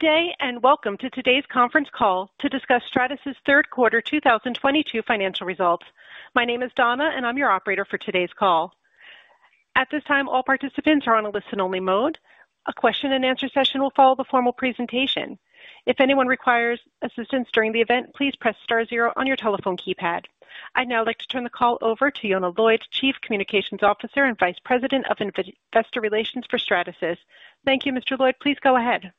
Good day, and welcome to today's conference call to discuss Stratasys' third quarter 2022 financial results. My name is Donna, and I'm your operator for today's call. At this time, all participants are in listen-only mode. A question-and-answer session will follow the formal presentation. If anyone requires assistance during the event, please press star zero on your telephone keypad. I'd now like to turn the call over to Yonah Lloyd, Chief Communications Officer and Vice President of Investor Relations for Stratasys. Thank you, Mr. Lloyd. Please go ahead.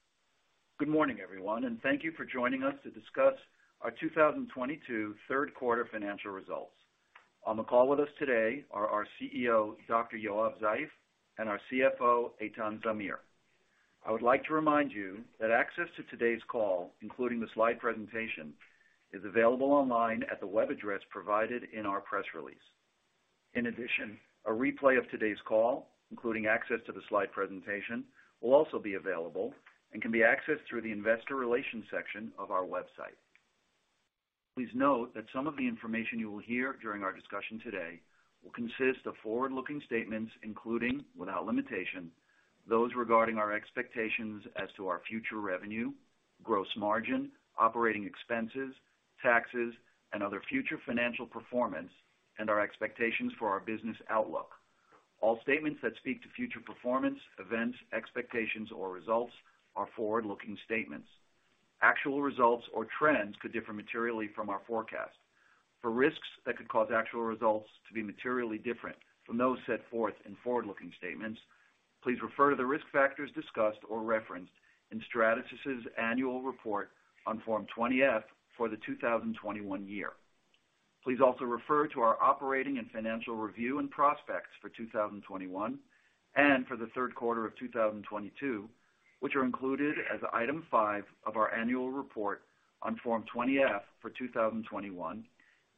Good morning, everyone, and thank you for joining us to discuss our 2022 third quarter financial results. On the call with us today are our CEO, Yoav Zeif, and our CFO, Eitan Zamir. I would like to remind you that access to today's call, including the slide presentation, is available online at the web address provided in our press release. In addition, a replay of today's call, including access to the slide presentation, will also be available and can be accessed through the investor relations section of our website. Please note that some of the information you will hear during our discussion today will consist of forward-looking statements, including without limitation, those regarding our expectations as to our future revenue, gross margin, operating expenses, taxes, and other future financial performance, and our expectations for our business outlook. All statements that speak to future performance, events, expectations or results are forward-looking statements. Actual results or trends could differ materially from our forecast. For risks that could cause actual results to be materially different from those set forth in forward-looking statements, please refer to the risk factors discussed or referenced in Stratasys' annual report on Form 20-F for the 2021 year. Please also refer to our operating and financial review and prospects for 2021 and for the third quarter of 2022, which are included as Item 5 of our annual report on Form 20-F for 2021,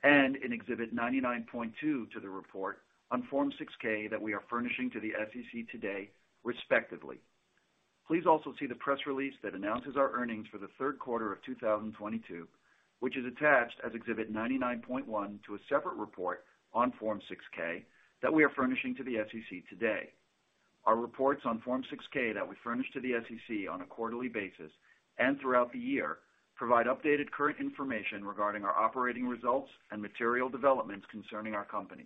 and in Exhibit 99.2 to the report on Form 6-K that we are furnishing to the SEC today, respectively. Please also see the press release that announces our earnings for the third quarter of 2022, which is attached as Exhibit 99.1 to a separate report on Form 6-K that we are furnishing to the SEC today. Our reports on Form 6-K that we furnish to the SEC on a quarterly basis and throughout the year provide updated current information regarding our operating results and material developments concerning our company.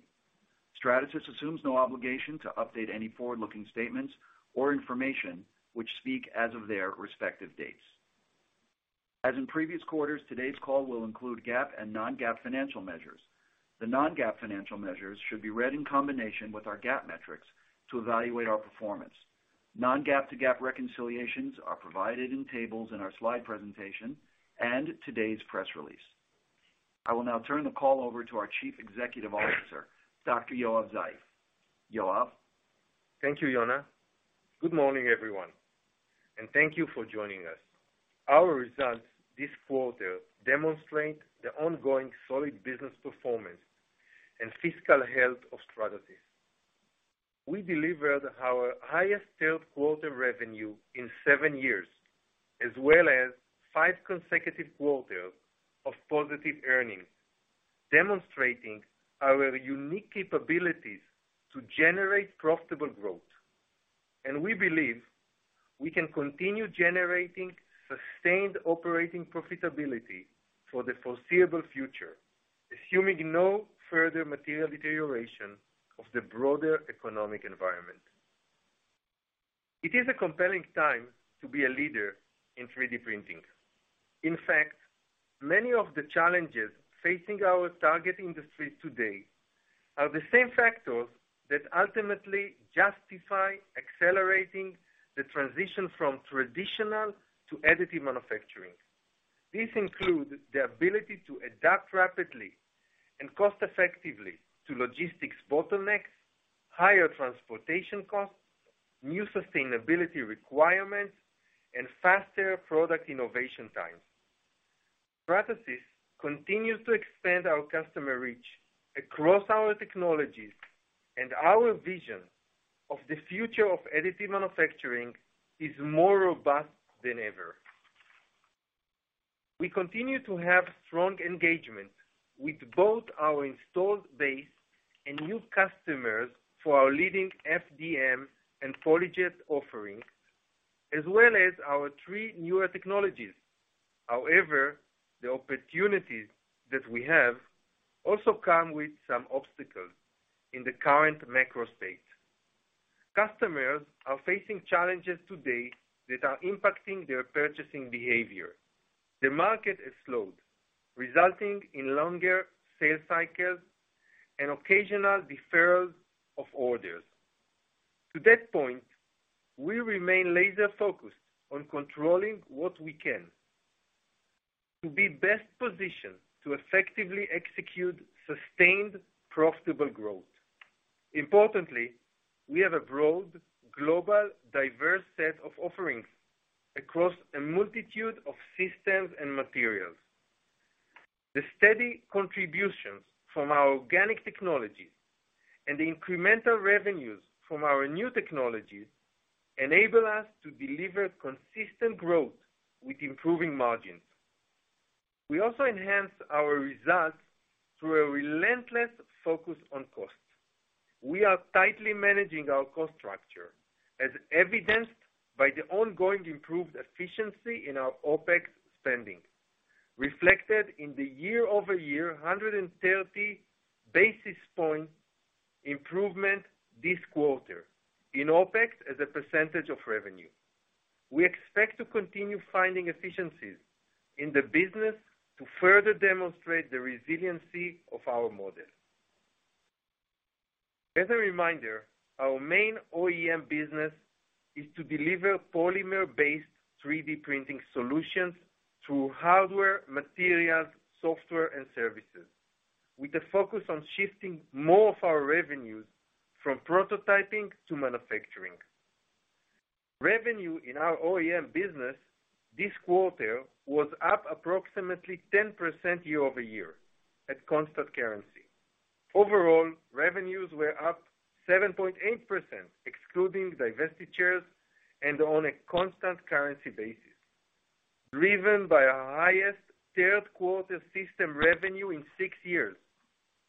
Stratasys assumes no obligation to update any forward-looking statements or information which speak as of their respective dates. As in previous quarters, today's call will include GAAP and non-GAAP financial measures. The non-GAAP financial measures should be read in combination with our GAAP metrics to evaluate our performance. Non-GAAP to GAAP reconciliations are provided in tables in our slide presentation and today's press release. I will now turn the call over to our Chief Executive Officer, Dr. Yoav Zeif. Yoav. Thank you, Yonah. Good morning, everyone, and thank you for joining us. Our results this quarter demonstrate the ongoing solid business performance and fiscal health of Stratasys. We delivered our highest third quarter revenue in seven years, as well as five consecutive quarters of positive earnings, demonstrating our unique capabilities to generate profitable growth. We believe we can continue generating sustained operating profitability for the foreseeable future, assuming no further material deterioration of the broader economic environment. It is a compelling time to be a leader in 3D printing. In fact, many of the challenges facing our target industry today are the same factors that ultimately justify accelerating the transition from traditional to additive manufacturing. These include the ability to adapt rapidly and cost-effectively to logistics bottlenecks, higher transportation costs, new sustainability requirements, and faster product innovation times. Stratasys continues to expand our customer reach across our technologies, and our vision of the future of additive manufacturing is more robust than ever. We continue to have strong engagement with both our installed base and new customers for our leading FDM and PolyJet offerings, as well as our three newer technologies. However, the opportunities that we have also come with some obstacles in the current macro space. Customers are facing challenges today that are impacting their purchasing behavior. The market has slowed, resulting in longer sales cycles and occasional deferrals of orders. To that point, we remain laser-focused on controlling what we can to be best positioned to effectively execute sustained profitable growth. Importantly, we have a broad, global, diverse set of offerings across a multitude of systems and materials. The steady contributions from our organic technology and the incremental revenues from our new technologies enable us to deliver consistent growth with improving margins. We also enhanced our results through a relentless focus on cost. We are tightly managing our cost structure as evidenced by the ongoing improved efficiency in our OpEx spending, reflected in the year-over-year 130 basis point improvement this quarter in OpEx as a percentage of revenue. We expect to continue finding efficiencies in the business to further demonstrate the resiliency of our model. As a reminder, our main OEM business is to deliver polymer-based 3D printing solutions through hardware, materials, software and services, with a focus on shifting more of our revenues from prototyping to manufacturing. Revenue in our OEM business this quarter was up approximately 10% year-over-year at constant currency. Overall, revenues were up 7.8%, excluding divestitures and on a constant currency basis, driven by our highest third quarter system revenue in six years,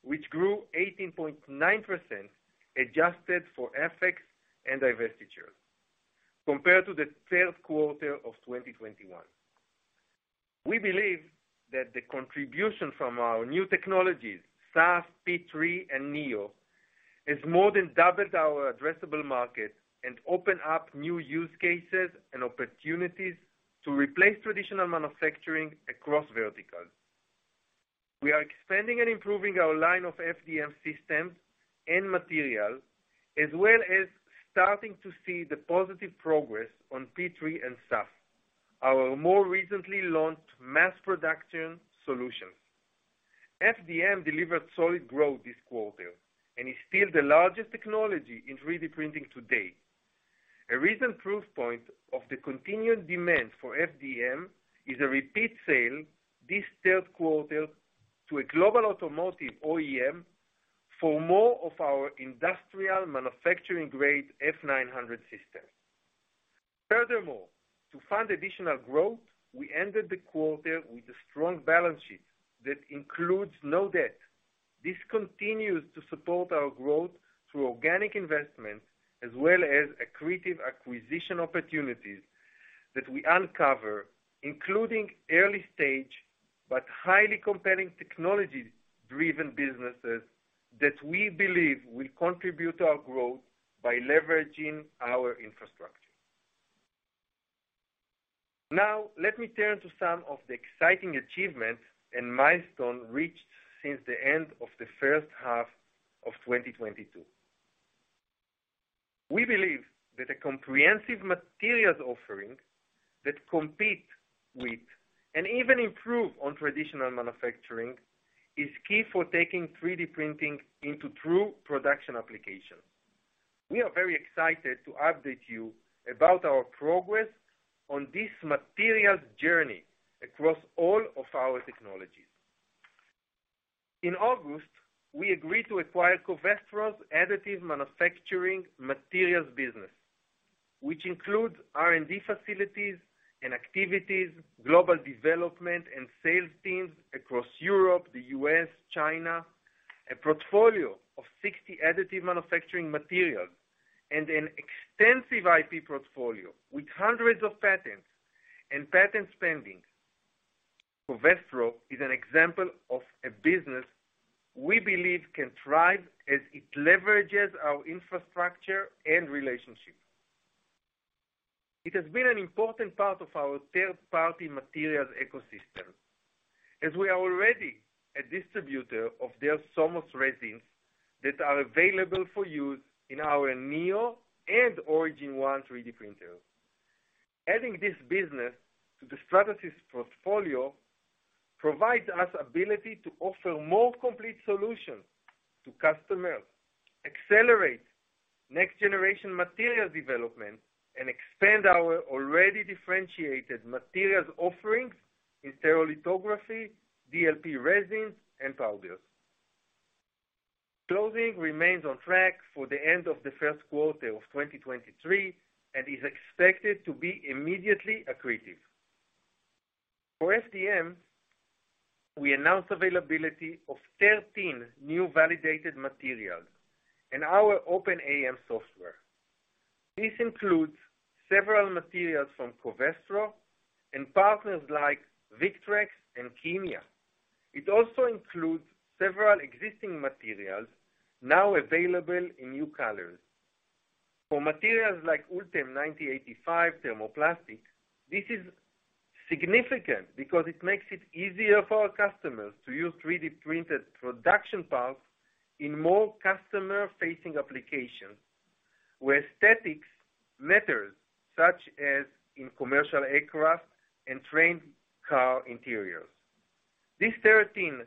which grew 18.9% adjusted for FX and divestitures compared to the third quarter of 2021. We believe that the contribution from our new technologies, SAF, P3, and Neo, has more than doubled our addressable market and opened up new use cases and opportunities to replace traditional manufacturing across verticals. We are expanding and improving our line of FDM systems and materials, as well as starting to see the positive progress on P3 and SAF, our more recently launched mass production solutions. FDM delivered solid growth this quarter and is still the largest technology in 3D printing to date. A recent proof point of the continued demand for FDM is a repeat sale this third quarter to a global automotive OEM for more of our industrial manufacturing grade F900 system. Furthermore, to fund additional growth, we ended the quarter with a strong balance sheet that includes no debt. This continues to support our growth through organic investments as well as accretive acquisition opportunities that we uncover, including early stage but highly compelling technology-driven businesses that we believe will contribute to our growth by leveraging our infrastructure. Now, let me turn to some of the exciting achievements and milestones reached since the end of the first half of 2022. We believe that a comprehensive materials offering that compete with and even improve on traditional manufacturing is key for taking 3D printing into true production applications. We are very excited to update you about our progress on this materials journey across all of our technologies. In August, we agreed to acquire Covestro's additive manufacturing materials business, which includes R&D facilities and activities, global development and sales teams across Europe, the U.S., China, a portfolio of 60 additive manufacturing materials, and an extensive IP portfolio with hundreds of patents and patents pending. Covestro is an example of a business we believe can thrive as it leverages our infrastructure and relationships. It has been an important part of our third-party materials ecosystem, as we are already a distributor of their Somos resins that are available for use in our Neo and Origin One 3D printers. Adding this business to the Stratasys portfolio provides us ability to offer more complete solutions to customers, accelerate next generation materials development, and expand our already differentiated materials offerings in stereolithography, DLP resins and powders. Closing remains on track for the end of the first quarter of 2023 and is expected to be immediately accretive. For FDM, we announced availability of 13 new validated materials in our OpenAM software. This includes several materials from Covestro and partners like Victrex and KIMYA. It also includes several existing materials now available in new colors. For materials like ULTEM 9085 thermoplastic, this is significant because it makes it easier for our customers to use 3D-printed production parts in more customer-facing applications where aesthetics matters, such as in commercial aircraft and train car interiors. These 13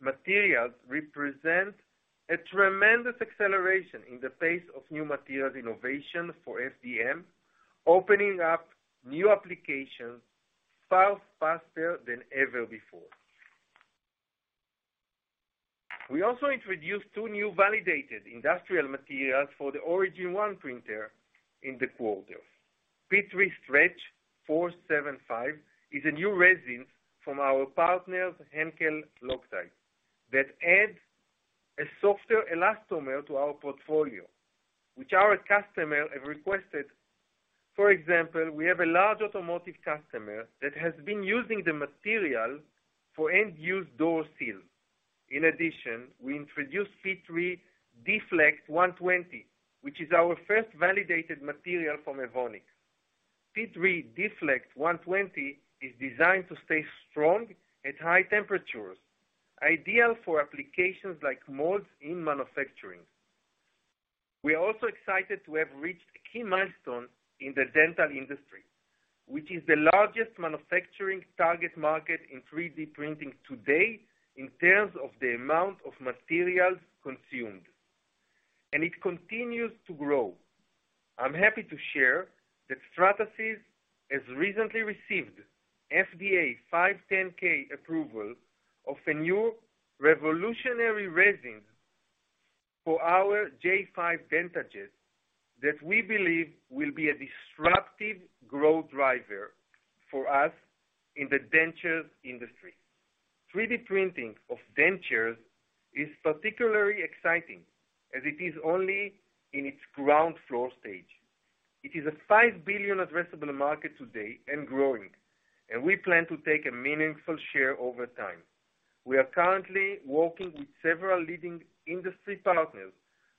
materials represent a tremendous acceleration in the pace of new materials innovation for FDM, opening up new applications far faster than ever before. We also introduced two new validated industrial materials for the Origin One printer in the quarter. P3 Stretch 475 is a new resin from our partners, Henkel Loctite, that add a softer elastomer to our portfolio, which our customer have requested. For example, we have a large automotive customer that has been using the material for end-use door seals. In addition, we introduced P3 Deflect 120, which is our first validated material from Evonik. P3 Deflect 120 is designed to stay strong at high temperatures, ideal for applications like molds in manufacturing. We are also excited to have reached a key milestone in the dental industry, which is the largest manufacturing target market in 3D printing today in terms of the amount of materials consumed, and it continues to grow. I'm happy to share that Stratasys has recently received FDA 510(k) approval of a new revolutionary resin for our J5 DentaJet that we believe will be a disruptive growth driver for us in the dentures industry. 3D printing of dentures is particularly exciting as it is only in its ground floor stage. It is a $5 billion addressable market today and growing, and we plan to take a meaningful share over time. We are currently working with several leading industry partners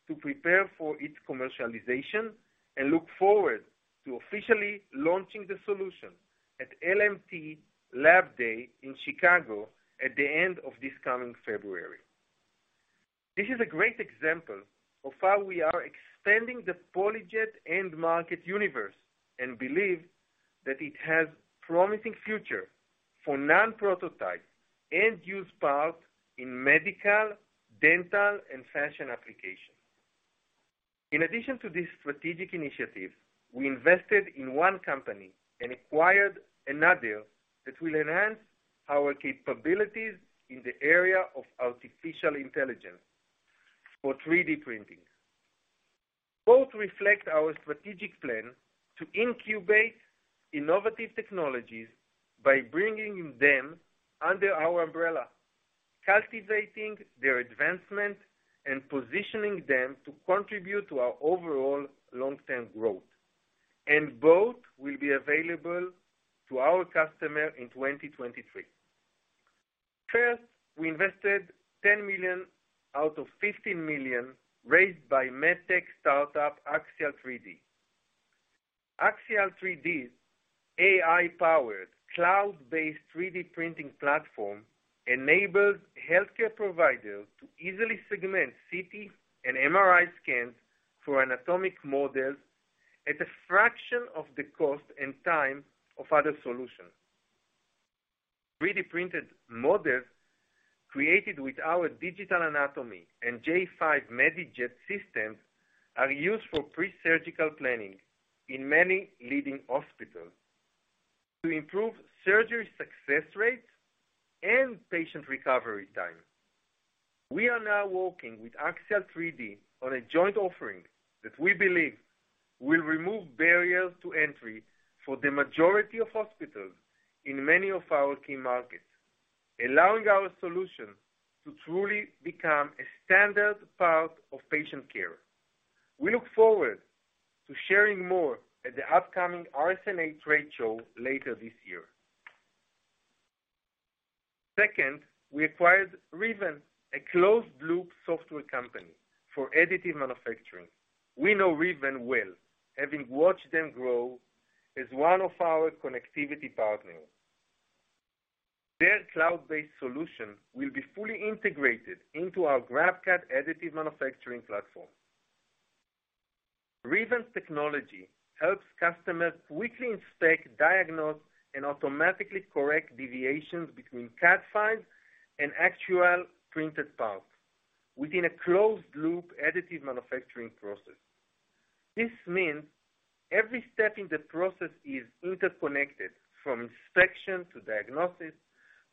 to prepare for its commercialization and look forward to officially launching the solution at LMT LAB DAY in Chicago at the end of this coming February. This is a great example of how we are expanding the PolyJet end market universe and believe that it has promising future for non-prototype end-use parts in medical, dental, and fashion application. In addition to this strategic initiative, we invested in one company and acquired another that will enhance our capabilities in the area of artificial intelligence for 3D printing. Both reflect our strategic plan to incubate innovative technologies by bringing them under our umbrella, cultivating their advancement, and positioning them to contribute to our overall long-term growth. Both will be available to our customer in 2023. First, we invested $10 million out of $15 million raised by MedTech startup, Axial3D. Axial3D's AI-powered, cloud-based 3D printing platform enables healthcare providers to easily segment CT and MRI scans for anatomic models at a fraction of the cost and time of other solutions. 3D-printed models created with our Digital Anatomy and J5 MediJet systems are used for pre-surgical planning in many leading hospitals to improve surgery success rates and patient recovery time. We are now working with Axial3D on a joint offering that we believe will remove barriers to entry for the majority of hospitals in many of our key markets, allowing our solution to truly become a standard part of patient care. We look forward to sharing more at the upcoming RSNA trade show later this year. Second, we acquired Riven, a closed-loop software company for additive manufacturing. We know Riven well, having watched them grow as one of our connectivity partners. Their cloud-based solution will be fully integrated into our GrabCAD additive manufacturing platform. Riven's technology helps customers quickly inspect, diagnose, and automatically correct deviations between CAD files and actual printed parts within a closed loop additive manufacturing process. This means every step in the process is interconnected, from inspection to diagnosis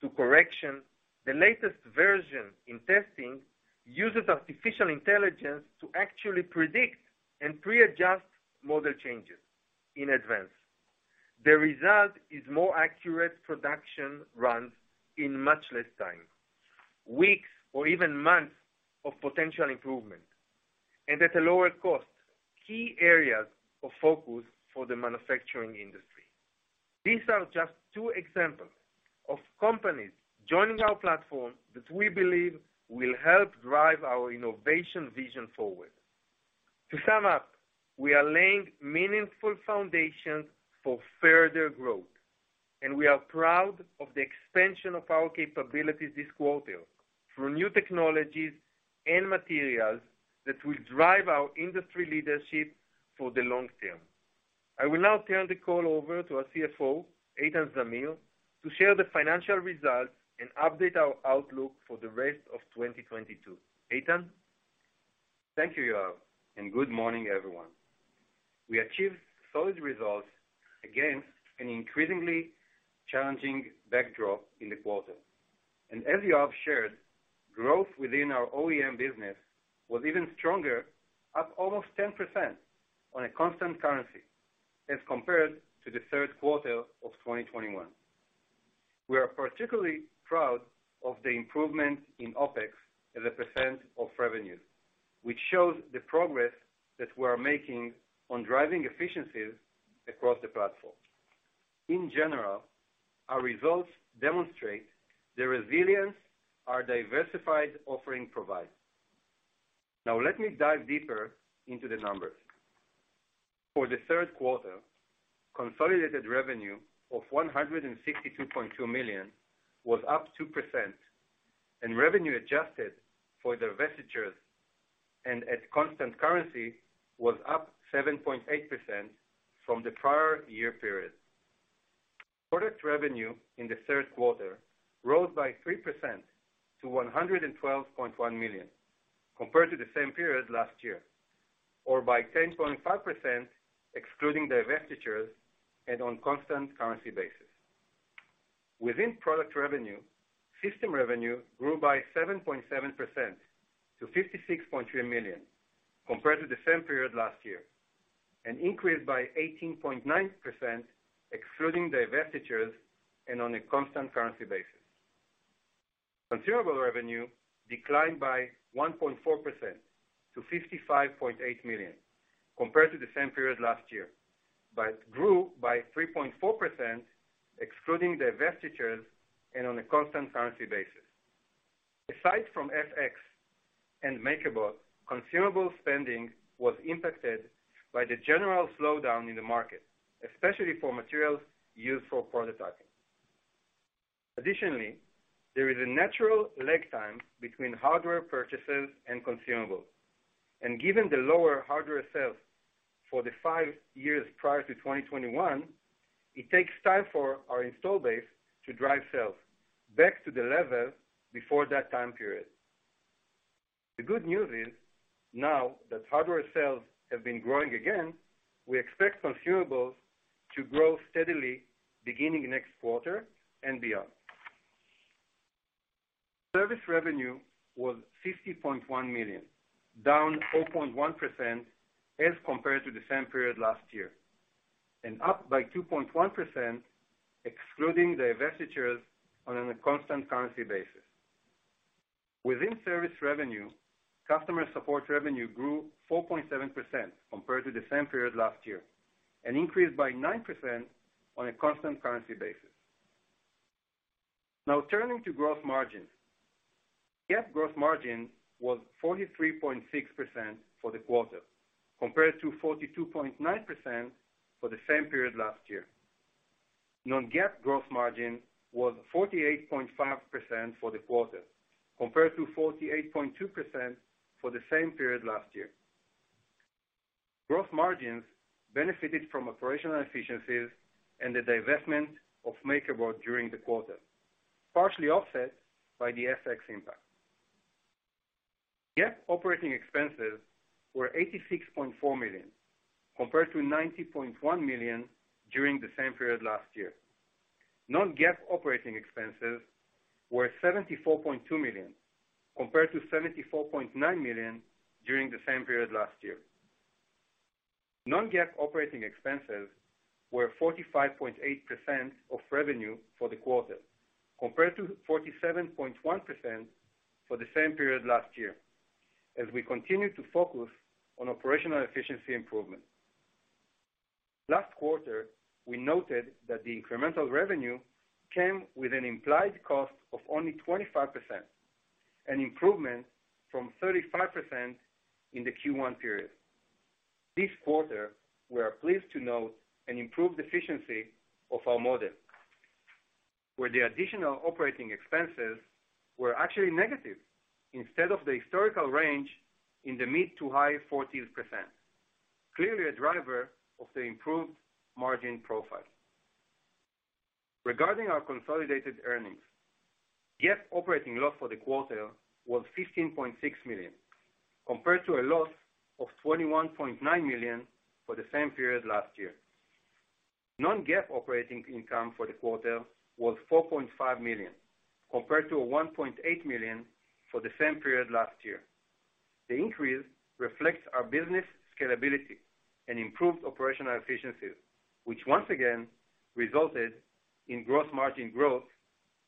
to correction. The latest version in testing uses artificial intelligence to actually predict and pre-adjust model changes in advance. The result is more accurate production runs in much less time, weeks or even months of potential improvement, and at a lower cost, key areas of focus for the manufacturing industry. These are just two examples of companies joining our platform that we believe will help drive our innovation vision forward. To sum up, we are laying meaningful foundations for further growth, and we are proud of the expansion of our capabilities this quarter through new technologies and materials that will drive our industry leadership for the long term. I will now turn the call over to our CFO, Eitan Zamir, to share the financial results and update our outlook for the rest of 2022. Eitan? Thank you, Yoav, and good morning, everyone. We achieved solid results against an increasingly challenging backdrop in the quarter. As Yoav shared, growth within our OEM business was even stronger, up almost 10% on a constant currency as compared to the third quarter of 2021. We are particularly proud of the improvement in OpEx as a percent of revenue, which shows the progress that we are making on driving efficiencies across the platform. In general, our results demonstrate the resilience our diversified offering provides. Now, let me dive deeper into the numbers. For the third quarter, consolidated revenue of $162.2 million was up 2%, and revenue adjusted for the divestitures and at constant currency was up 7.8% from the prior year period. Product revenue in the third quarter rose by 3% to $112.1 million, compared to the same period last year, or by 10.5% excluding divestitures and on constant currency basis. Within product revenue, system revenue grew by 7.7% to $56.3 million, compared to the same period last year, and increased by 18.9% excluding divestitures and on a constant currency basis. Consumable revenue declined by 1.4% to $55.8 million, compared to the same period last year, but grew by 3.4% excluding divestitures and on a constant currency basis. Aside from FX and MakerBot, consumable spending was impacted by the general slowdown in the market, especially for materials used for prototyping. Additionally, there is a natural lag time between hardware purchases and consumables, and given the lower hardware sales for the five years prior to 2021, it takes time for our install base to drive sales back to the level before that time period. The good news is, now that hardware sales have been growing again, we expect consumables to grow steadily beginning next quarter and beyond. Service revenue was $50.1 million, down 0.1% as compared to the same period last year, and up by 2.1% excluding divestitures and on a constant currency basis. Within service revenue, customer support revenue grew 4.7% compared to the same period last year, and increased by 9% on a constant currency basis. Now, turning to gross margins. GAAP gross margin was 43.6% for the quarter, compared to 42.9% for the same period last year. Non-GAAP gross margin was 48.5% for the quarter, compared to 48.2% for the same period last year. Gross margins benefited from operational efficiencies and the divestment of MakerBot during the quarter, partially offset by the FX impact. GAAP operating expenses were $86.4 million, compared to $90.1 million during the same period last year. Non-GAAP operating expenses were $74.2 million, compared to $74.9 million during the same period last year. Non-GAAP operating expenses were 45.8% of revenue for the quarter, compared to 47.1% for the same period last year, as we continue to focus on operational efficiency improvement. Last quarter, we noted that the incremental revenue came with an implied cost of only 25%, an improvement from 35% in the Q1 period. This quarter, we are pleased to note an improved efficiency of our model, where the additional operating expenses were actually negative instead of the historical range in the mid- to high-14%. Clearly a driver of the improved margin profile. Regarding our consolidated earnings, GAAP operating loss for the quarter was $15.6 million, compared to a loss of $21.9 million for the same period last year. Non-GAAP operating income for the quarter was $4.5 million, compared to $1.8 million for the same period last year. The increase reflects our business scalability and improved operational efficiencies, which once again resulted in gross margin growth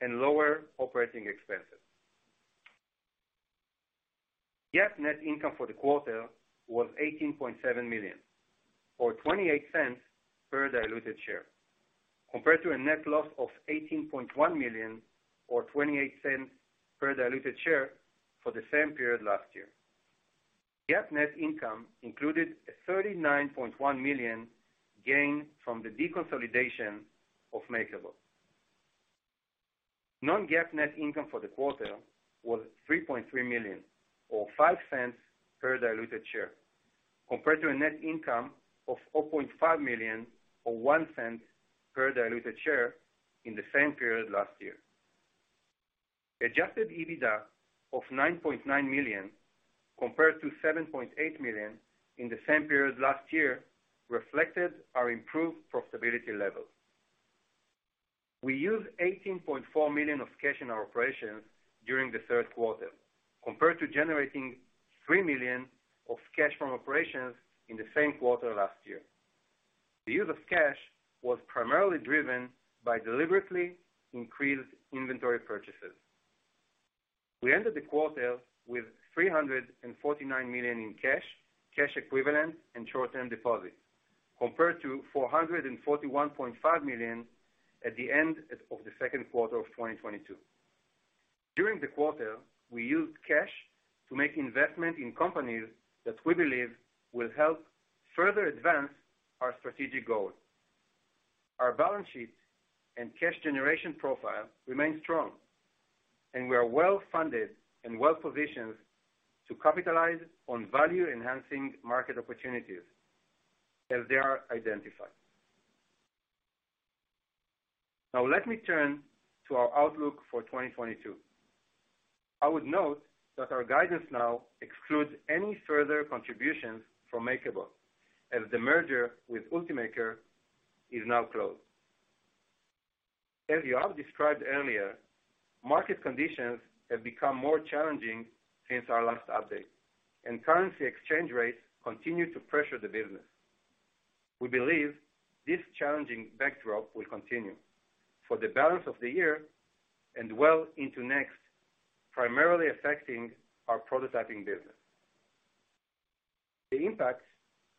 and lower operating expenses. GAAP net income for the quarter was $18.7 million or $0.28 per diluted share, compared to a net loss of $18.1 million or $0.28 per diluted share for the same period last year. GAAP net income included a $39.1 million gain from the deconsolidation of MakerBot. Non-GAAP net income for the quarter was $3.3 million or $0.05 per diluted share, compared to a net income of $4.5 million or $0.01 per diluted share in the same period last year. Adjusted EBITDA of $9.9 million compared to $7.8 million in the same period last year reflected our improved profitability level. We used $18.4 million of cash in our operations during the third quarter, compared to generating $3 million of cash from operations in the same quarter last year. The use of cash was primarily driven by deliberately increased inventory purchases. We ended the quarter with $349 million in cash equivalents, and short-term deposits, compared to $441.5 million at the end of the second quarter of 2022. During the quarter, we used cash to make investment in companies that we believe will help further advance our strategic goals. Our balance sheet and cash generation profile remain strong, and we are well-funded and well-positioned to capitalize on value-enhancing market opportunities as they are identified. Now let me turn to our outlook for 2022. I would note that our guidance now excludes any further contributions from MakerBot, as the merger with Ultimaker is now closed. As Yoav described earlier, market conditions have become more challenging since our last update, and currency exchange rates continue to pressure the business. We believe this challenging backdrop will continue for the balance of the year and well into next, primarily affecting our prototyping business. The impacts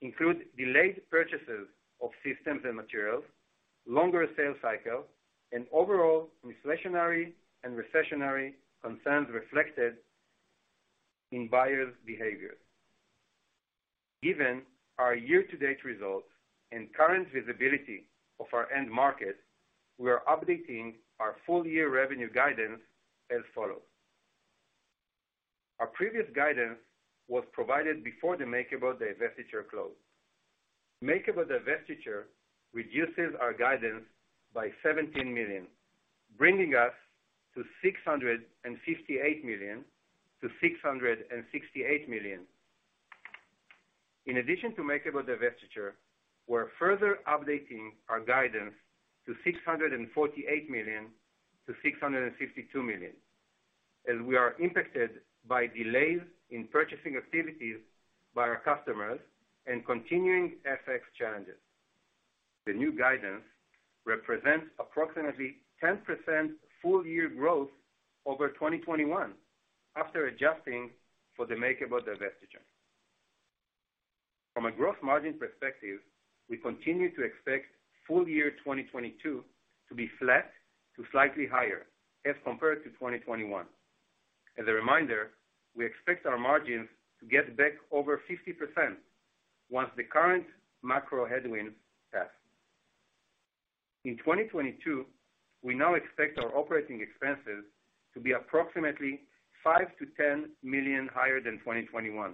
include delayed purchases of systems and materials, longer sales cycles, and overall inflationary and recessionary concerns reflected in buyers' behavior. Given our year-to-date results and current visibility of our end market, we are updating our full-year revenue guidance as follows. Our previous guidance was provided before the MakerBot divestiture close. MakerBot divestiture reduces our guidance by $17 million, bringing us to $658 million-$668 million. In addition to MakerBot divestiture, we're further updating our guidance to $648 million-$652 million, as we are impacted by delays in purchasing activities by our customers and continuing FX challenges. The new guidance represents approximately 10% full-year growth over 2021 after adjusting for the MakerBot divestiture. From a growth margin perspective, we continue to expect full-year 2022 to be flat to slightly higher as compared to 2021. As a reminder, we expect our margins to get back over 50% once the current macro headwinds pass. In 2022, we now expect our operating expenses to be approximately $5 million-$10 million higher than 2021.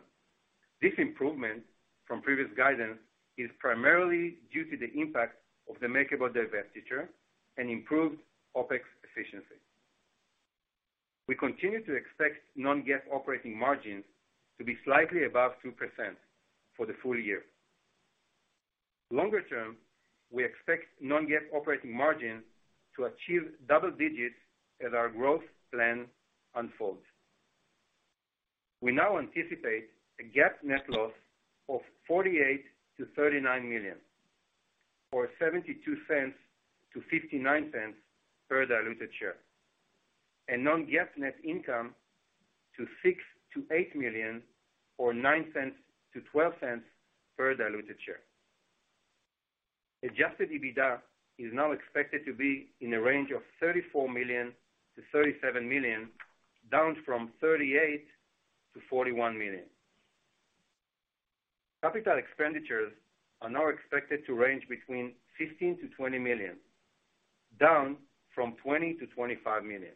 This improvement from previous guidance is primarily due to the impact of the MakerBot divestiture and improved OpEx efficiency. We continue to expect non-GAAP operating margins to be slightly above 2% for the full-year. Longer term, we expect non-GAAP operating margins to achieve double digits as our growth plan unfolds. We now anticipate a GAAP net loss of $48 million-$39 million, or $0.72-$0.59 per diluted share. A non-GAAP net income of $6 million-$8 million or $0.09-$0.12 per diluted share. Adjusted EBITDA is now expected to be in a range of $34 million-$37 million, down from $38 million-$41 million. Capital expenditures are now expected to range between $15 million-$20 million, down from $20 million-$25 million.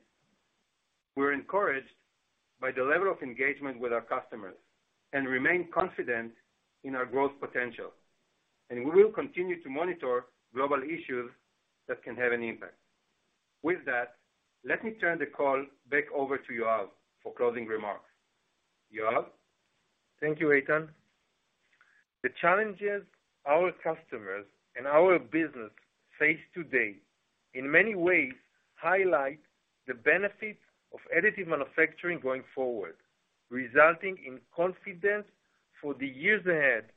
We're encouraged by the level of engagement with our customers and remain confident in our growth potential, and we will continue to monitor global issues that can have an impact. With that, let me turn the call back over to Yoav for closing remarks. Yoav? Thank you, Eitan. The challenges our customers and our business face today, in many ways, highlight the benefits of additive manufacturing going forward, resulting in confidence for the years ahead,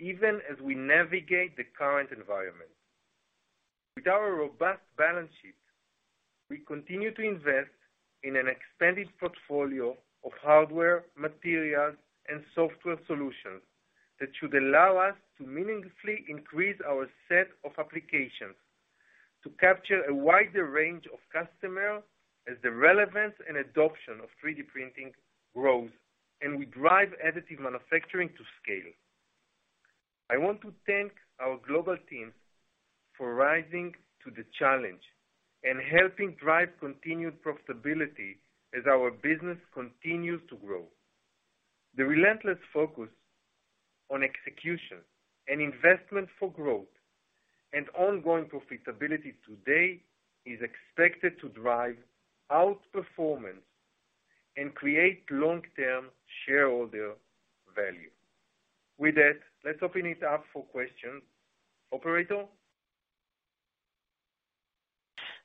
even as we navigate the current environment. With our robust balance sheet, we continue to invest in an expanded portfolio of hardware, materials, and software solutions that should allow us to meaningfully increase our set of applications to capture a wider range of customers as the relevance and adoption of 3D printing grows, and we drive additive manufacturing to scale. I want to thank our global teams for rising to the challenge and helping drive continued profitability as our business continues to grow. The relentless focus on execution and investment for growth and ongoing profitability today is expected to drive our performance and create long-term shareholder value. With that, let's open it up for questions. Operator?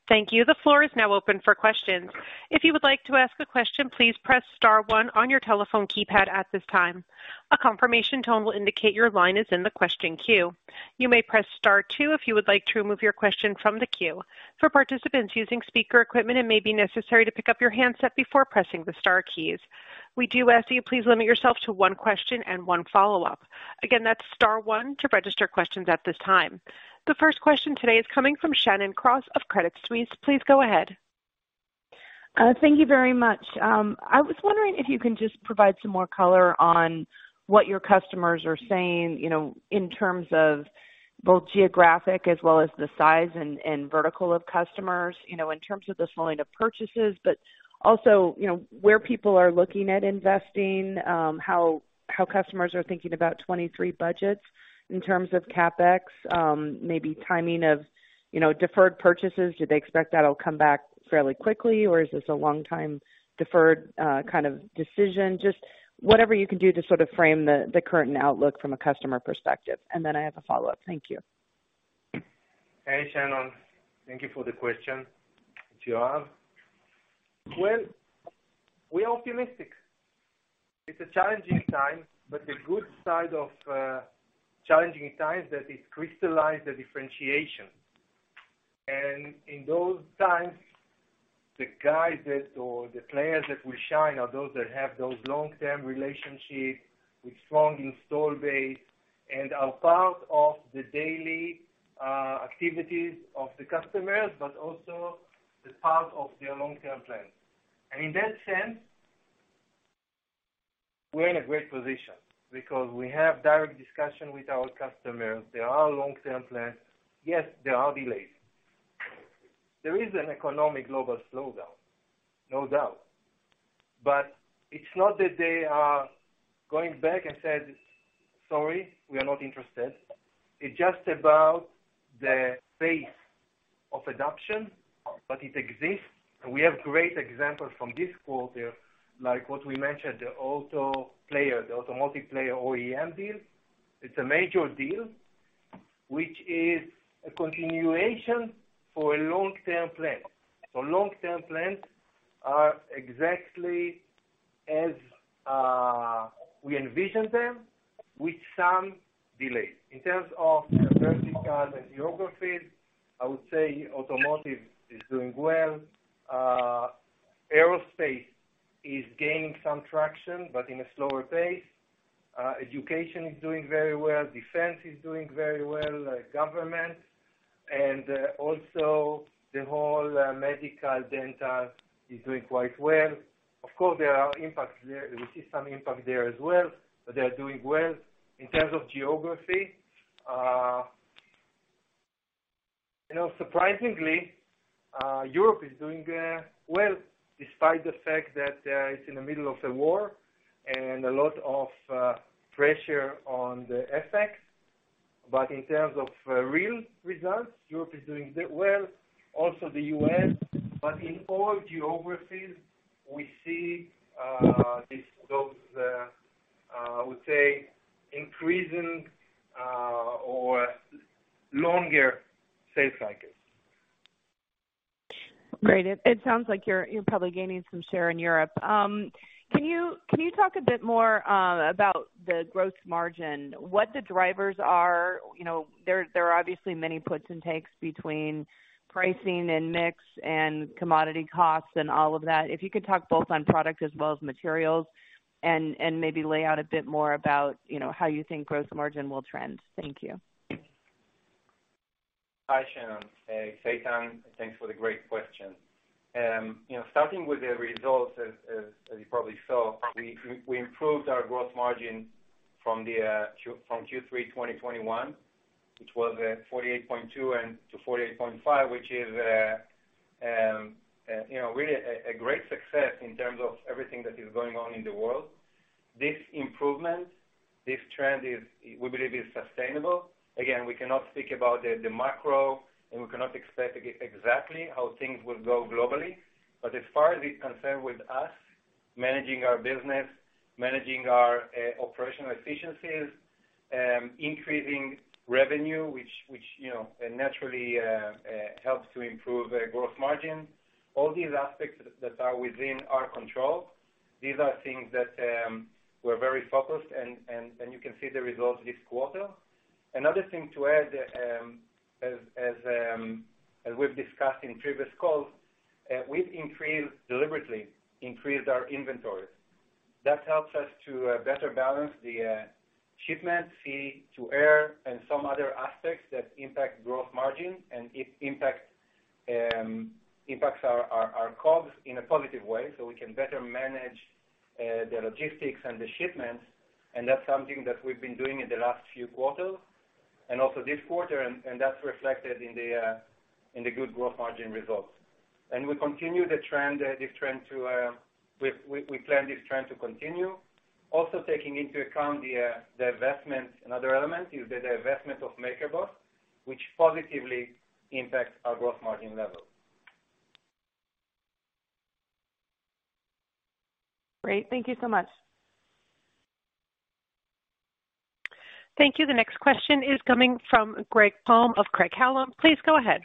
Thank you. The floor is now open for questions. If you would like to ask a question, please press star one on your telephone keypad at this time. A confirmation tone will indicate your line is in the question queue. You may press star two if you would like to remove your question from the queue. For participants using speaker equipment, it may be necessary to pick up your handset before pressing the star keys. We do ask that you please limit yourself to one question and one follow-up. Again, that's star one to register questions at this time. The first question today is coming from Shannon Cross of Credit Suisse. Please go ahead. Thank you very much. I was wondering if you can just provide some more color on what your customers are saying, you know, in terms of both geographic as well as the size and vertical of customers, you know, in terms of the slowing of purchases, but also, you know, where people are looking at investing, how customers are thinking about 2023 budgets in terms of CapEx, maybe timing of, you know, deferred purchases. Do they expect that'll come back fairly quickly, or is this a long time deferred, kind of decision? Just whatever you can do to sort of frame the current outlook from a customer perspective. I have a follow-up. Thank you. Hey, Shannon. Thank you for the question. Yoav? Well, we are optimistic. It's a challenging time, but the good side of challenging times is that it crystallize the differentiation. In those times, the players that will shine are those that have those long-term relationships with strong install base and are part of the daily activities of the customers, but also the part of their long-term plans. In that sense, we're in a great position because we have direct discussion with our customers. There are long-term plans. Yes, there are delays. There is an economic global slowdown, no doubt. But it's not that they are going back and said, "Sorry, we are not interested." It's just about the pace of adoption, but it exists. We have great examples from this quarter, like what we mentioned, the auto player, the automotive player OEM deal. It's a major deal, which is a continuation for a long-term plan. Long-term plans are exactly as we envision them with some delays. In terms of the vertical and geographies, I would say automotive is doing well. Aerospace is gaining some traction, but in a slower pace. Education is doing very well. Defense is doing very well. Government and also the whole medical, dental is doing quite well. Of course, there are impacts there. We see some impact there as well, but they are doing well. In terms of geography, you know, surprisingly, Europe is doing well, despite the fact that it's in the middle of the war and a lot of pressure on the FX. In terms of real results, Europe is doing well, also the U.S.. In all geographies, we see those, I would say, increasing or longer sales cycles. Great. It sounds like you're probably gaining some share in Europe. Can you talk a bit more about the gross margin, what the drivers are? You know, there are obviously many puts and takes between pricing and mix and commodity costs and all of that. If you could talk both on product as well as materials and maybe lay out a bit more about, you know, how you think gross margin will trend. Thank you. Hi, Shannon. Eitan. Thanks for the great question. You know, starting with the results, as you probably saw, we improved our gross margin from Q3, 2021, which was 48.2%-48.5%, which is you know, really a great success in terms of everything that is going on in the world. This improvement, this trend, we believe, is sustainable. Again, we cannot speak about the macro, and we cannot expect exactly how things will go globally. As far as it's concerned with us managing our business, managing our operational efficiencies, increasing revenue, which you know, naturally, helps to improve the gross margin. All these aspects that are within our control, these are things that we're very focused and you can see the results this quarter. Another thing to add, as we've discussed in previous calls, we've increased, deliberately increased our inventories. That helps us to better balance the shipment, sea to air and some other aspects that impact gross margin and impacts our costs in a positive way, so we can better manage the logistics and the shipment. That's something that we've been doing in the last few quarters and also this quarter, and that's reflected in the good gross margin results. We continue this trend. We plan this trend to continue. Also taking into account the divestment. Another element is the divestment of MakerBot, which positively impacts our growth margin level. Great. Thank you so much. Thank you. The next question is coming from Greg Palm of Craig-Hallum. Please go ahead.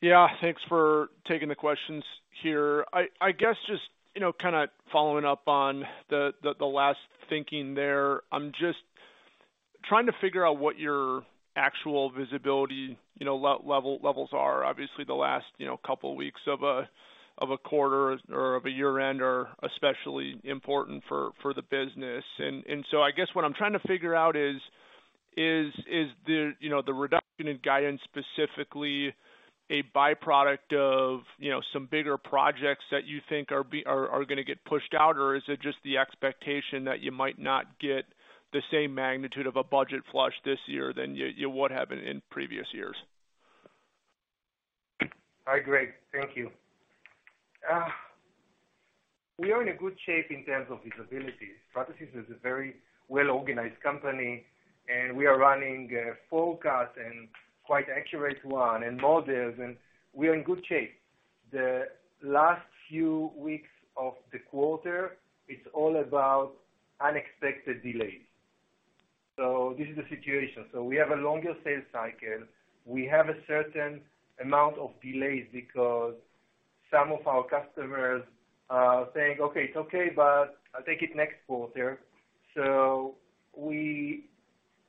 Yeah, thanks for taking the questions here. I guess just you know kinda following up on the last thinking there. I'm just trying to figure out what your actual visibility you know levels are. Obviously, the last you know couple weeks of a quarter or of a year-end are especially important for the business. I guess what I'm trying to figure out is the you know the reduction in guidance specifically a byproduct of you know some bigger projects that you think are gonna get pushed out? Or is it just the expectation that you might not get the same magnitude of a budget flush this year than you would have in previous years? Hi, Greg. Thank you. We are in good shape in terms of visibility. Stratasys is a very well-organized company, and we are running forecast and quite accurate one and models, and we are in good shape. The last few weeks of the quarter, it's all about unexpected delays. This is the situation. We have a longer sales cycle. We have a certain amount of delays because some of our customers are saying, "Okay, it's okay, but I'll take it next quarter." We,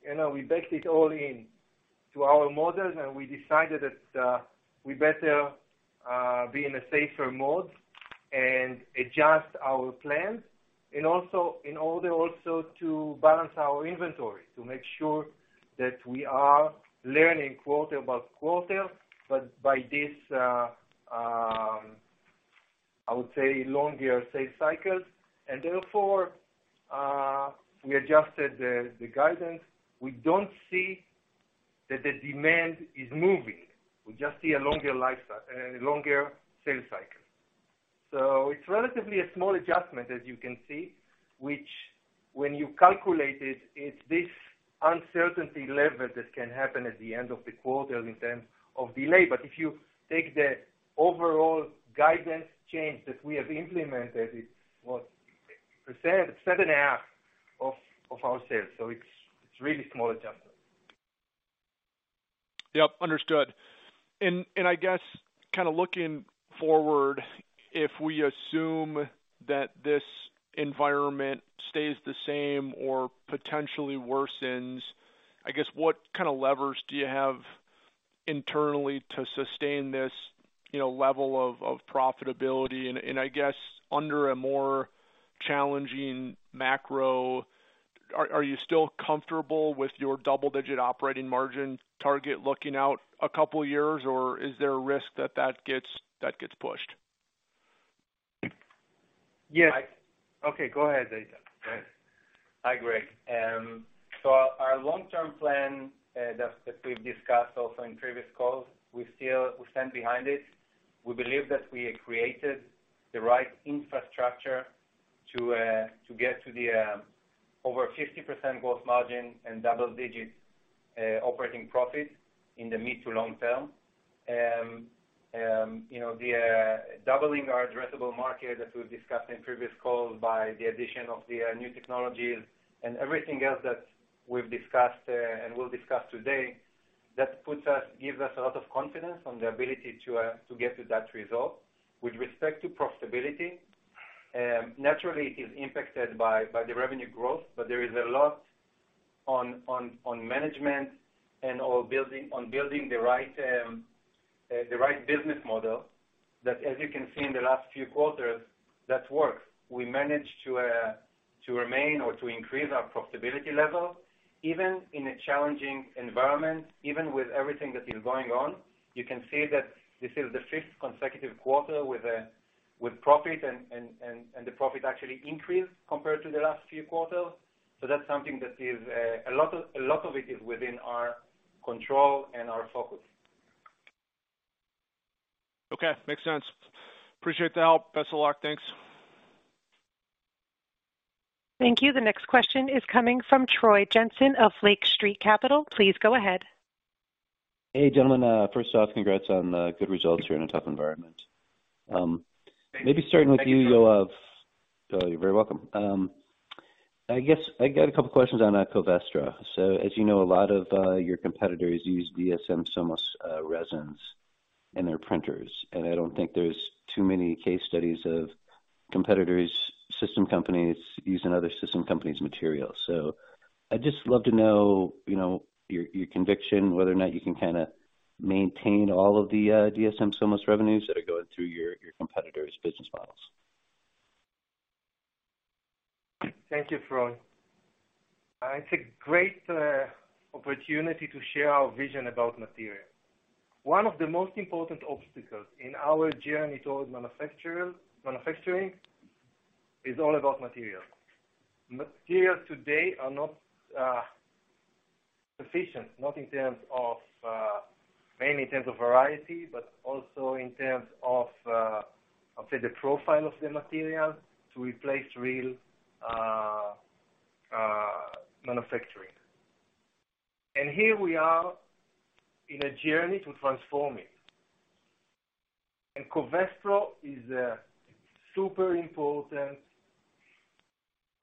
you know, we baked it all into our models, and we decided that we better be in a safer mode and adjust our plans and also in order also to balance our inventory, to make sure that we are learning quarter by quarter, but by this, I would say, longer sales cycles. Therefore, we adjusted the guidance. We don't see that the demand is moving. We just see a longer sales cycle. It's relatively a small adjustment, as you can see, which when you calculate it's this uncertainty level that can happen at the end of the quarter in terms of delay. If you take the overall guidance change that we have implemented, it was 7.5% of our sales. It's really small adjustment. Yep, understood. I guess kinda looking forward, if we assume that this environment stays the same or potentially worsens, I guess, what kind of levers do you have internally to sustain this, you know, level of profitability? I guess under a more challenging macro, are you still comfortable with your double-digit operating margin target looking out a couple of years, or is there a risk that that gets pushed? Yes. Okay, go ahead, Eitan. Go ahead. Hi, Greg. Our long-term plan that we've discussed also in previous calls, we still stand behind it. We believe that we have created the right infrastructure to get to the over 50% gross margin and double-digit operating profit in the mid- to long term. You know, doubling our addressable market, as we've discussed in previous calls by the addition of the new technologies and everything else that we've discussed and we'll discuss today, gives us a lot of confidence in the ability to get to that result. With respect to profitability, naturally it is impacted by the revenue growth, but there is a lot on management and on building the right business model that as you can see in the last few quarters, that works. We managed to remain or to increase our profitability level, even in a challenging environment, even with everything that is going on. You can see that this is the fifth consecutive quarter with profit and the profit actually increased compared to the last few quarters. That's something that is a lot of it is within our control and our focus. Okay, makes sense. Appreciate the help. Best of luck. Thanks. Thank you. The next question is coming from Troy Jensen of Lake Street Capital. Please go ahead. Hey, gentlemen. First off, congrats on good results here in a tough environment. Thank you. Maybe starting with you, Yoav. Oh, you're very welcome. I guess I got a couple of questions on Covestro. As you know, a lot of your competitors use DSM Somos resins in their printers, and I don't think there's too many case studies of competitors, system companies using other system companies' materials. I'd just love to know, you know, your conviction, whether or not you can kinda maintain all of the DSM Somos revenues that are going through your competitors' business models. Thank you, Troy. It's a great opportunity to share our vision about material. One of the most important obstacles in our journey towards manufacturing is all about material. Materials today are not sufficient, mainly in terms of variety, but also in terms of the profile of the material to replace real manufacturing. Here we are in a journey to transform it. Covestro is a super important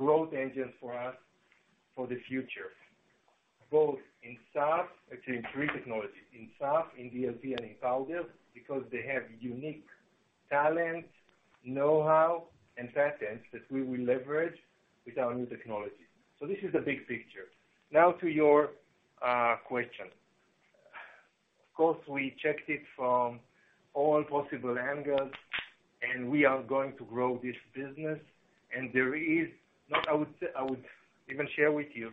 growth engine for us for the future, both in SAF, actually in three technologies, in SAF, in DLP, and in powder, because they have unique talent, know-how, and patents that we will leverage with our new technology. This is the big picture. Now to your question. Of course, we checked it from all possible angles, and we are going to grow this business. There is. What I would even share with you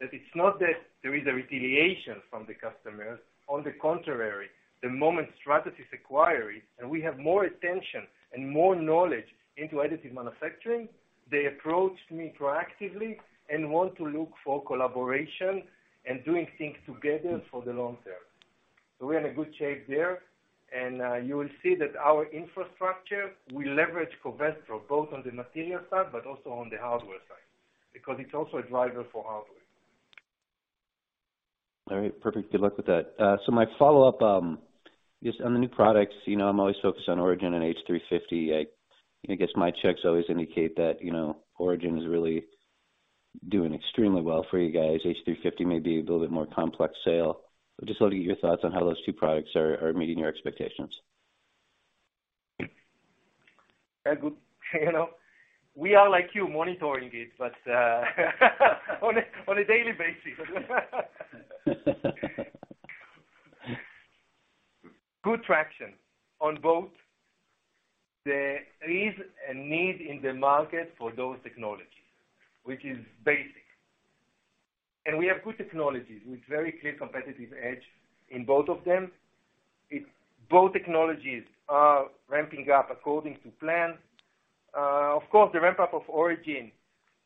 that it's not that there is a retaliation from the customers. On the contrary, the moment Stratasys acquired it, and we have more attention and more knowledge into additive manufacturing, they approached me proactively and want to look for collaboration and doing things together for the long term. We're in a good shape there. You will see that our infrastructure, we leverage Covestro both on the material side but also on the hardware side because it's also a driver for hardware. All right. Perfect. Good luck with that. My follow-up is on the new products. You know, I'm always focused on Origin and H350. I guess my checks always indicate that, you know, Origin is really doing extremely well for you guys. H350 may be a little bit more complex sale. I just wanted to get your thoughts on how those two products are meeting your expectations. Yeah. Good. You know, we are like you, monitoring it, but on a daily basis. Good traction on both. There is a need in the market for those technologies, which is basic. We have good technologies with very clear competitive edge in both of them. Both technologies are ramping up according to plan. Of course, the ramp-up of Origin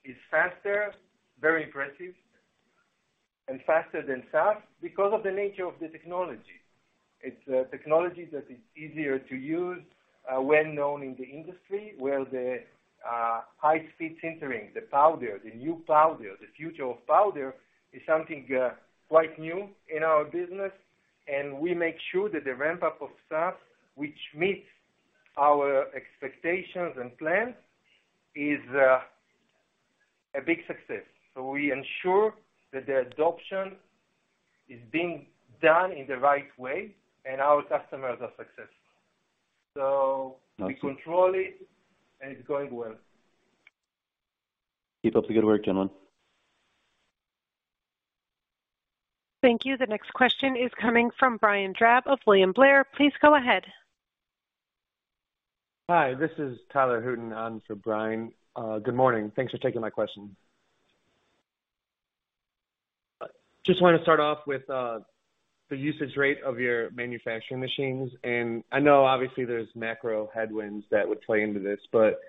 is faster, very impressive and faster than SAF because of the nature of the technology. It's a technology that is easier to use, well-known in the industry, where the high-speed sintering, the powder, the new powder, the future of powder is something quite new in our business. We make sure that the ramp-up of SAF, which meets our expectations and plans, is a big success. We ensure that the adoption is being done in the right way and our customers are successful. Got you. We control it, and it's going well. Keep up the good work, gentlemen. Thank you. The next question is coming from Brian Drab of William Blair. Please go ahead. Hi, this is Tyler Hutin on for Brian. Good morning. Thanks for taking my question. Just wanted to start off with, the usage rate of your manufacturing machines. I know obviously there's macro headwinds that would play into this, but,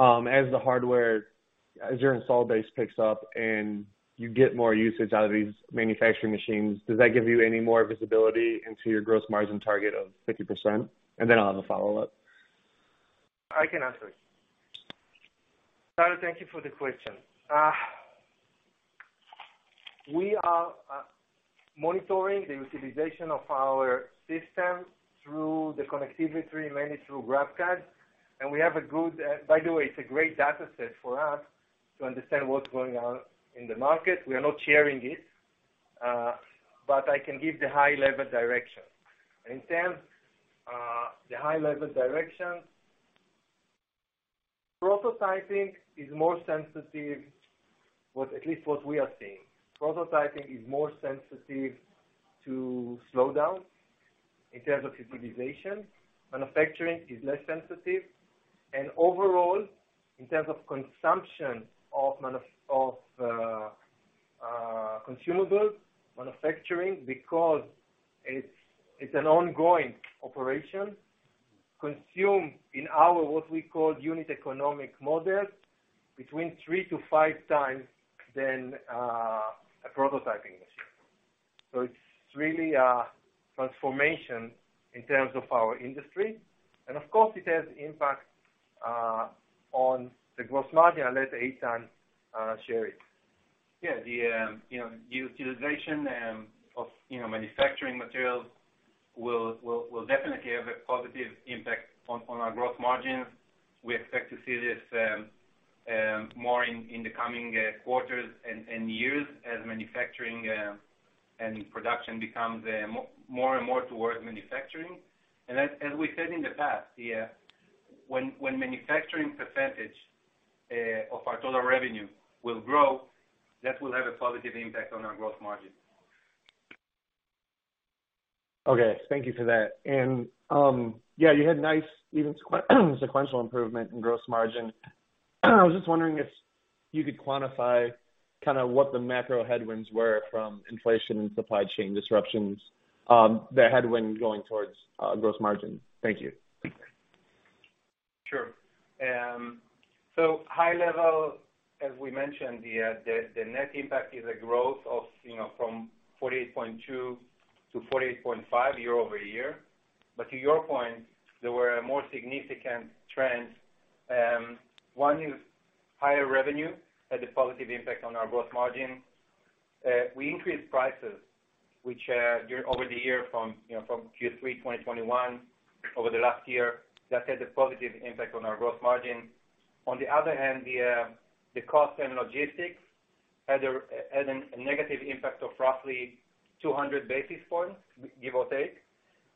as the hardware, as your install base picks up and you get more usage out of these manufacturing machines, does that give you any more visibility into your gross margin target of 50%? I'll have a follow-up. I can answer it. Tyler, thank you for the question. We are monitoring the utilization of our system through the connectivity, mainly through GrabCAD, and by the way, it's a great data set for us to understand what's going on in the market. We are not sharing it, but I can give the high-level direction. In terms of the high-level direction, prototyping is more sensitive, at least what we are seeing. Prototyping is more sensitive to slowdown in terms of utilization. Manufacturing is less sensitive. Overall, in terms of consumption of consumables, manufacturing, because it's an ongoing operation, consumes in our what we call unit economics model 3x-5x than a prototyping machine. It's really a transformation in terms of our industry. Of course, it has impact on the gross margin. I'll let Eitan share it. Yeah. The you know, utilization of you know, manufacturing materials will definitely have a positive impact on our growth margins. We expect to see this more in the coming quarters and years as manufacturing and production becomes more and more towards manufacturing. As we said in the past, when manufacturing percentage of our total revenue will grow, that will have a positive impact on our growth margin. Okay. Thank you for that. Yeah, you had nice even sequential improvement in gross margin. I was just wondering if you could quantify kind of what the macro headwinds were from inflation and supply chain disruptions, the headwind going towards gross margin. Thank you. Sure. High level, as we mentioned, the net impact is a growth of, you know, from 48.2%-48.5% year-over-year. To your point, there were more significant trends. One is higher revenue had a positive impact on our gross margin. We increased prices, which during the year from, you know, from Q3 2021 over the last year, that had a positive impact on our gross margin. On the other hand, the cost and logistics had a negative impact of roughly 200 basis points, give or take.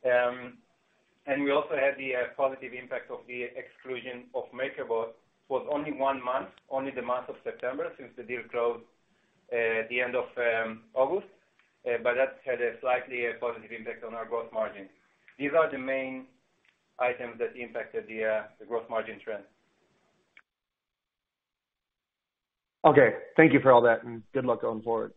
We also had the positive impact of the exclusion of MakerBot for only one month, only the month of September, since the deal closed at the end of August. That had a slightly positive impact on our growth margin. These are the main items that impacted the growth margin trend. Okay, thank you for all that, and good luck going forward.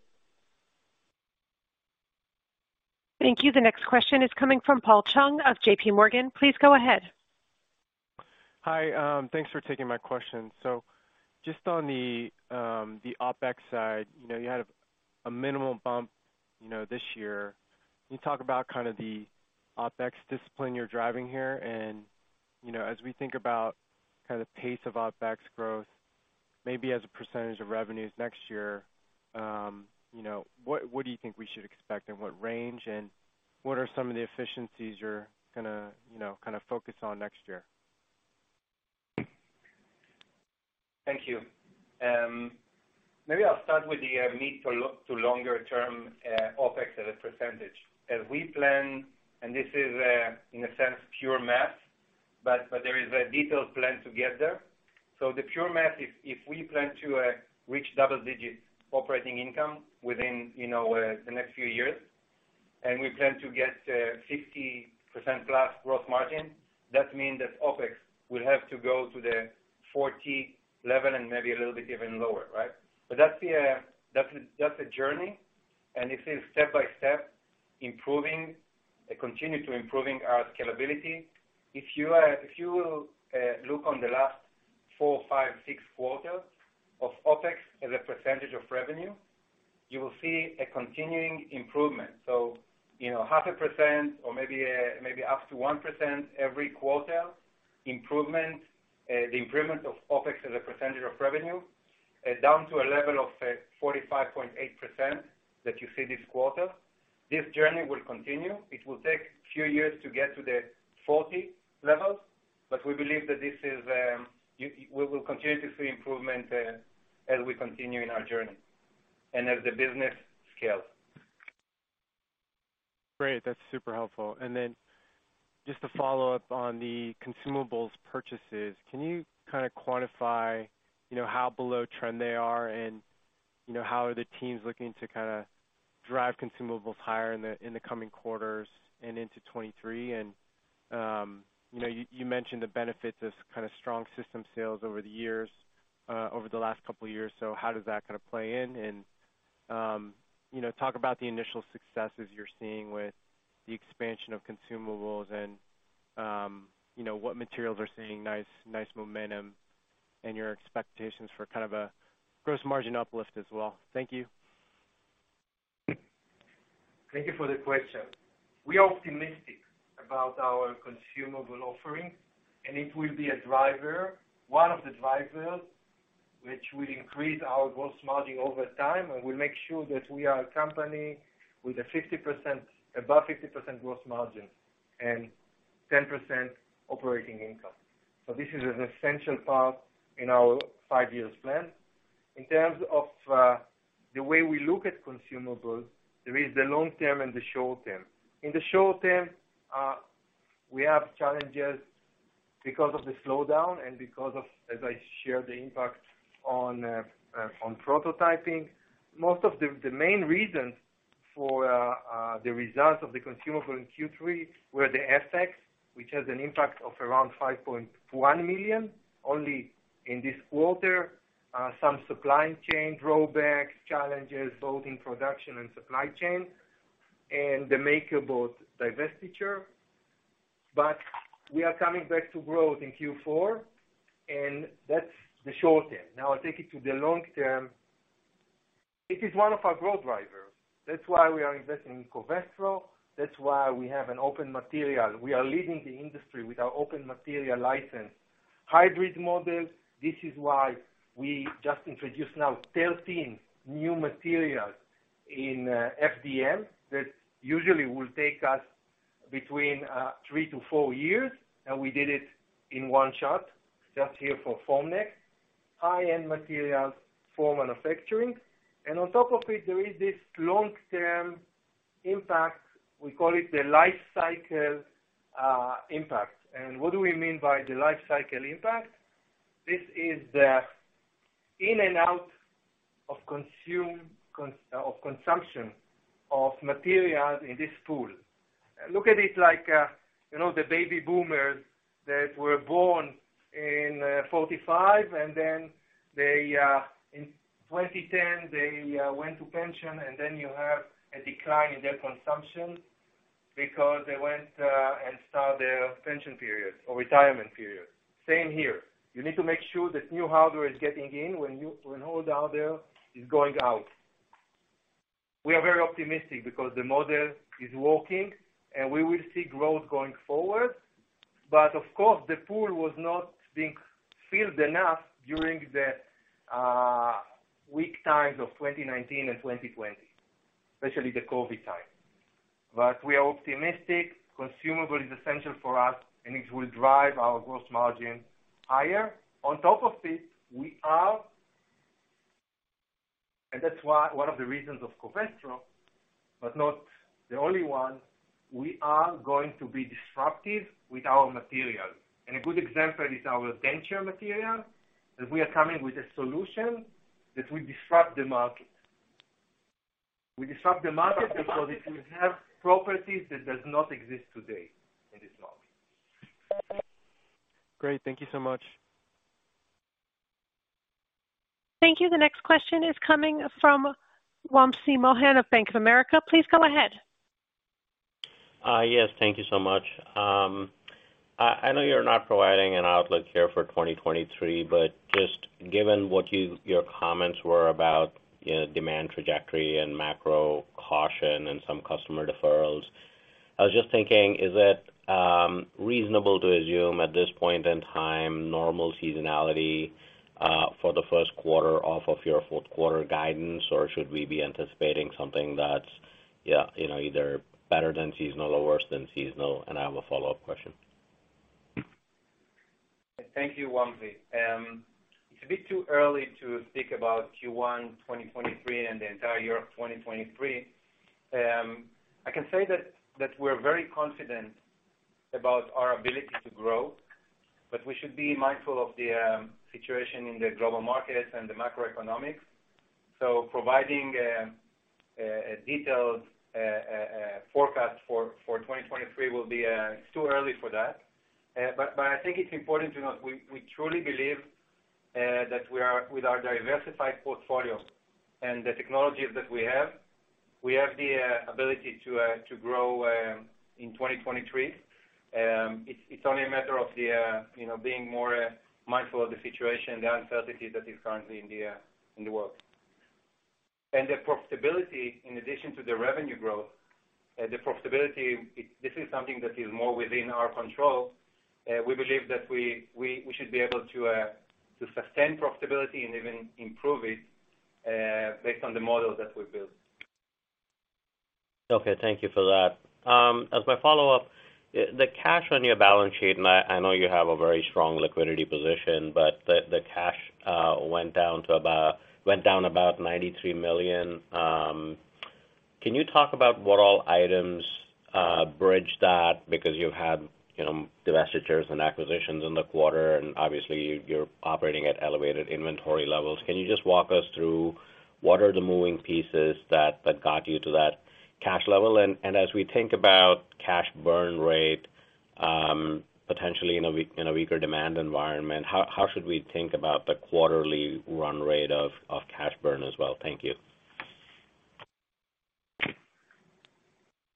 Thank you. The next question is coming from Paul Chung of J.P. Morgan. Please go ahead. Hi. Thanks for taking my question. Just on the OpEx side, you know, you had a minimal bump, you know, this year. Can you talk about kind of the OpEx discipline you're driving here? You know, as we think about kind of pace of OpEx growth, maybe as a percentage of revenues next year, you know, what do you think we should expect and what range? What are some of the efficiencies you're gonna, you know, kind of focus on next year? Thank you. Maybe I'll start with the need to longer term OpEx as a percentage. As we plan, and this is in a sense pure math, but there is a detailed plan to get there. The pure math, if we plan to reach double digits operating income within you know the next few years, and we plan to get 60%+ growth margin, that means that OpEx will have to go to the 40 level and maybe a little bit even lower, right? That's the that's a journey, and it is step by step improving continue to improving our scalability. If you will look on the last four, five, six quarters of OpEx as a percentage of revenue, you will see a continuing improvement. You know, 0.5% or maybe up to 1% every quarter improvement, the improvement of OpEx as a percentage of revenue, down to a level of 45.8% that you see this quarter. This journey will continue. It will take a few years to get to the 40% levels, but we believe that this is we will continue to see improvement, as we continue in our journey and as the business scales. Great. That's super helpful. Then just to follow up on the consumables purchases, can you kinda quantify, you know, how below trend they are? You know, how are the teams looking to kinda drive consumables higher in the coming quarters and into 2023? You know, you mentioned the benefits of kind of strong system sales over the years, over the last couple of years, so how does that kinda play in? You know, talk about the initial successes you're seeing with the expansion of consumables and, you know, what materials are seeing nice momentum and your expectations for kind of a gross margin uplift as well. Thank you. Thank you for the question. We are optimistic about our consumable offering, and it will be a driver, one of the drivers which will increase our gross margin over time and will make sure that we are a company with a 50%, above 50% gross margin and 10% operating income. This is an essential part in our five-year plan. In terms of the way we look at consumables, there is the long term and the short term. In the short term, we have challenges because of the slowdown and because of, as I shared, the impact on prototyping. Most of the main reasons for the results of the consumables in Q3 were the FX, which has an impact of around $5.1 million only in this quarter. Some supply chain rollback challenges, both in production and supply chain, and the MakerBot divestiture. We are coming back to growth in Q4, and that's the short term. Now I'll take you to the long term. It is one of our growth drivers. That's why we are investing in Covestro. That's why we have an open material. We are leading the industry with our open material license. Hybrid models, this is why we just introduced now 13 new materials in FDM that usually will take us between three to four years, and we did it in one shot just here for Formnext. High-end materials for manufacturing. On top of it, there is this long-term impact, we call it the life cycle impact. What do we mean by the life cycle impact? This is the in and out of consumption of material in this pool. Look at it like, you know, the baby boomers that were born in 1945, and then they in 2010 they went to pension, and then you have a decline in their consumption because they went and start their pension period or retirement period. Same here. You need to make sure that new hardware is getting in when old hardware is going out. We are very optimistic because the model is working, and we will see growth going forward. Of course, the pool was not being filled enough during the weak times of 2019 and 2020, especially the COVID time. We are optimistic. Consumable is essential for us, and it will drive our gross margin higher. On top of it, we are. That's why one of the reasons of Covestro, but not the only one, we are going to be disruptive with our materials. A good example is our denture material, that we are coming with a solution that will disrupt the market. We disrupt the market because it will have properties that does not exist today in this market. Great. Thank you so much. Thank you. The next question is coming from Wamsi Mohan of Bank of America. Please go ahead. Yes. Thank you so much. I know you're not providing an outlook here for 2023, but just given what your comments were about, you know, demand trajectory and macro caution and some customer deferrals, I was just thinking, is it reasonable to assume at this point in time normal seasonality for the first quarter off of your fourth quarter guidance, or should we be anticipating something that's, you know, either better than seasonal or worse than seasonal? I have a follow-up question. Thank you, Wamsi. It's a bit too early to speak about Q1 2023 and the entire year of 2023. I can say that we're very confident about our ability to grow, but we should be mindful of the situation in the global markets and the macroeconomics. Providing a detailed forecast for 2023 will be, it's too early for that. I think it's important to note, we truly believe that with our diversified portfolio and the technologies that we have, we have the ability to grow in 2023. It's only a matter of the you know, being more mindful of the situation, the uncertainty that is currently in the world. The profitability, in addition to the revenue growth, the profitability, this is something that is more within our control. We believe that we should be able to sustain profitability and even improve it, based on the model that we built. Okay. Thank you for that. As my follow-up, the cash on your balance sheet, and I know you have a very strong liquidity position, but the cash went down about $93 million. Can you talk about what all items bridge that? Because you had, you know, divestitures and acquisitions in the quarter, and obviously you're operating at elevated inventory levels. Can you just walk us through what are the moving pieces that got you to that cash level? And as we think about cash burn rate, potentially in a weaker demand environment, how should we think about the quarterly run rate of cash burn as well? Thank you.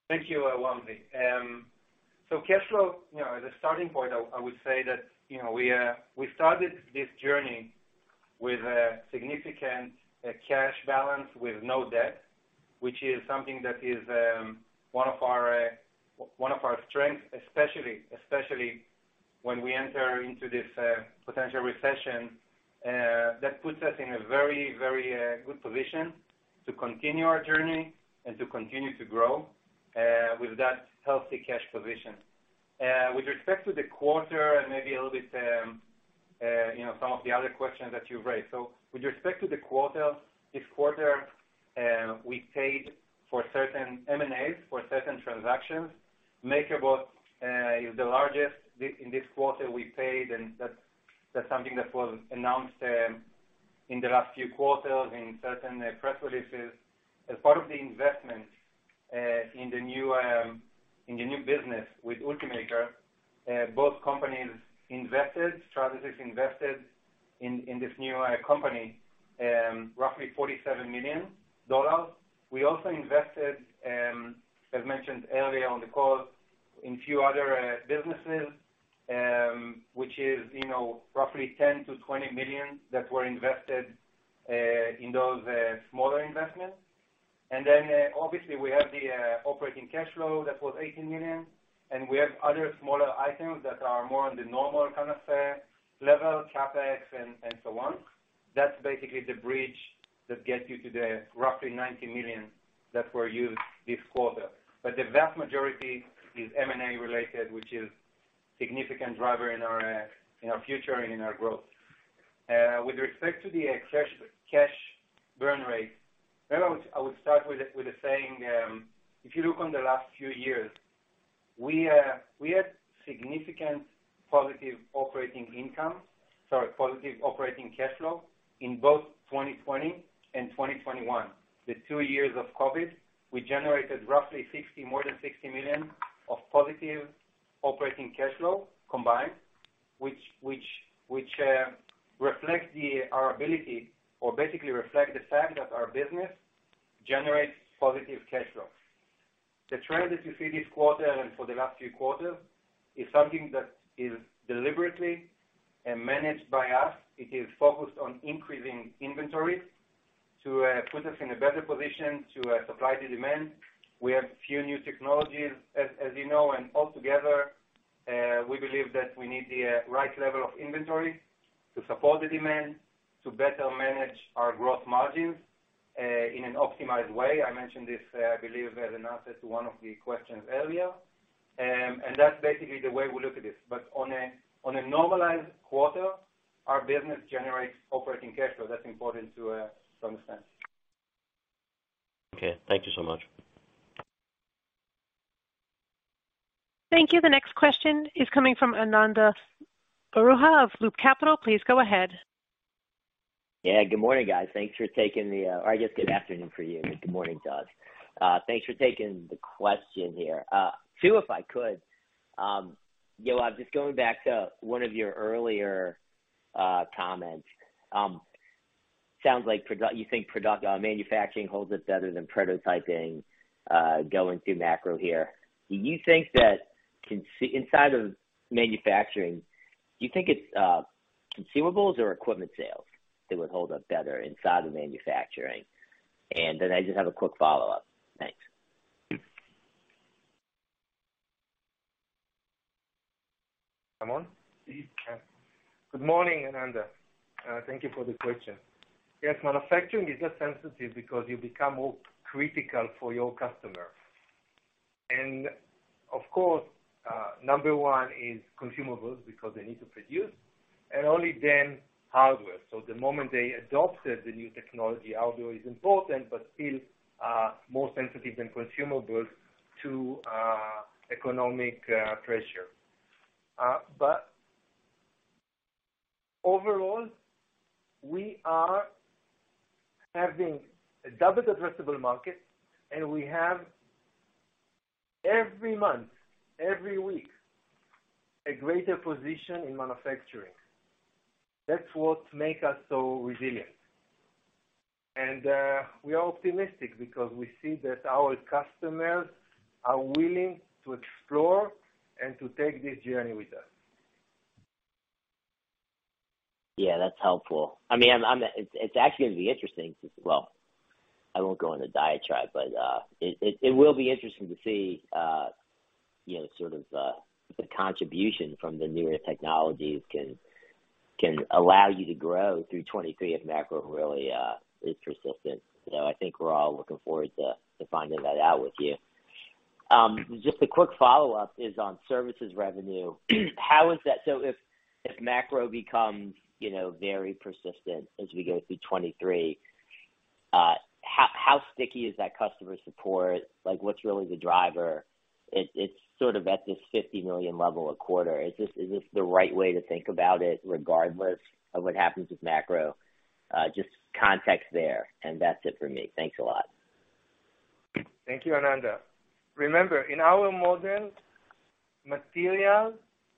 Thank you, Wamsi. Cash flow, you know, as a starting point, I would say that, you know, we started this journey with a significant cash balance with no debt, which is something that is one of our strengths, especially when we enter into this potential recession, that puts us in a very good position to continue our journey and to continue to grow with that healthy cash position. With respect to the quarter and maybe a little bit, you know, some of the other questions that you raised. With respect to the quarter, this quarter, we paid for certain M&As, for certain transactions. MakerBot in this quarter we paid, and that's something that was announced in the last few quarters in certain press releases. As part of the investment in the new business with Ultimaker, both companies invested. Stratasys invested in this new company roughly $47 million. We also invested, as mentioned earlier on the call, in a few other businesses, which is, you know, roughly $10 million-$20 million that were invested in those smaller investments. Obviously, we have the operating cash flow that was $18 million, and we have other smaller items that are more on the normal kind of level CapEx and so on. That's basically the bridge that gets you to the roughly $90 million that were used this quarter. The vast majority is M&A-related, which is a significant driver in our future and in our growth. With respect to the excess cash burn rate, I would start with the saying, if you look on the last few years, we had significant positive operating cash flow in both 2020 and 2021. The two years of COVID, we generated roughly $60 million, more than $60 million of positive operating cash flow combined, which reflect the fact that our business generates positive cash flow. The trend that you see this quarter and for the last few quarters is something that is deliberately and managed by us. It is focused on increasing inventory to put us in a better position to supply the demand. We have a few new technologies, as you know, and altogether, we believe that we need the right level of inventory to support the demand to better manage our growth margins in an optimized way. I mentioned this, I believe, as an answer to one of the questions earlier. That's basically the way we look at this. On a normalized quarter, our business generates operating cash flow. That's important to understand. Okay. Thank you so much. Thank you. The next question is coming from Ananda Baruah of Brean Capital. Please go ahead. Yeah. Good morning, guys. Thanks for taking the. Or I guess good afternoon for you. Good morning, Donna. Thanks for taking the question here. Two, if I could. Yoav, just going back to one of your earlier comments. Sounds like you think manufacturing holds up better than prototyping, going through macro here. Do you think that inside of manufacturing, do you think it's consumables or equipment sales that would hold up better inside of manufacturing? And then I just have a quick follow-up. Thanks. Am I on? Mm-hmm. Good morning, Ananda. Thank you for the question. Yes, manufacturing is less sensitive because you become more critical for your customer. Of course, number one is consumables because they need to produce, and only then hardware. The moment they adopted the new technology, hardware is important, but still, more sensitive than consumables to economic pressure. Overall, we are having a double addressable market, and we have every month, every week, a greater position in manufacturing. That's what make us so resilient. We are optimistic because we see that our customers are willing to explore and to take this journey with us. Yeah, that's helpful. I mean, it's actually gonna be interesting. Well, I won't go on a diatribe, but it will be interesting to see, you know, sort of, the contribution from the newer technologies can allow you to grow through 2023 if macro really is persistent. So I think we're all looking forward to finding that out with you. Just a quick follow-up is on services revenue. How is that? So if macro becomes, you know, very persistent as we go through 2023, how sticky is that customer support? Like, what's really the driver? It's sort of at this $50 million level a quarter. Is this the right way to think about it regardless of what happens with macro? Just context there, and that's it for me. Thanks a lot. Thank you, Ananda. Remember, in our model, materials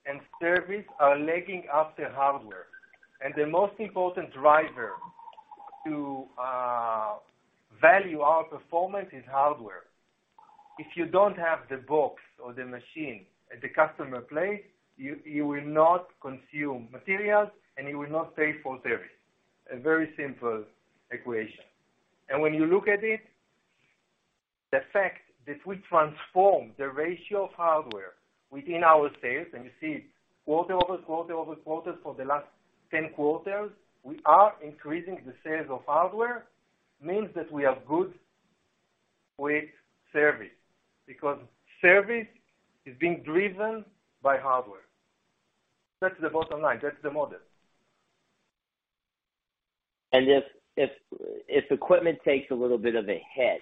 and service are lagging after hardware. The most important driver to value our performance is hardware. If you don't have the box or the machine at the customer place, you will not consume materials, and you will not pay for service. A very simple equation. When you look at it, the fact that we transform the ratio of hardware within our sales, and you see quarter over quarter over quarter for the last 10 quarters, we are increasing the sales of hardware, means that we are good with service, because service is being driven by hardware. That's the bottom line. That's the model. If equipment takes a little bit of a hit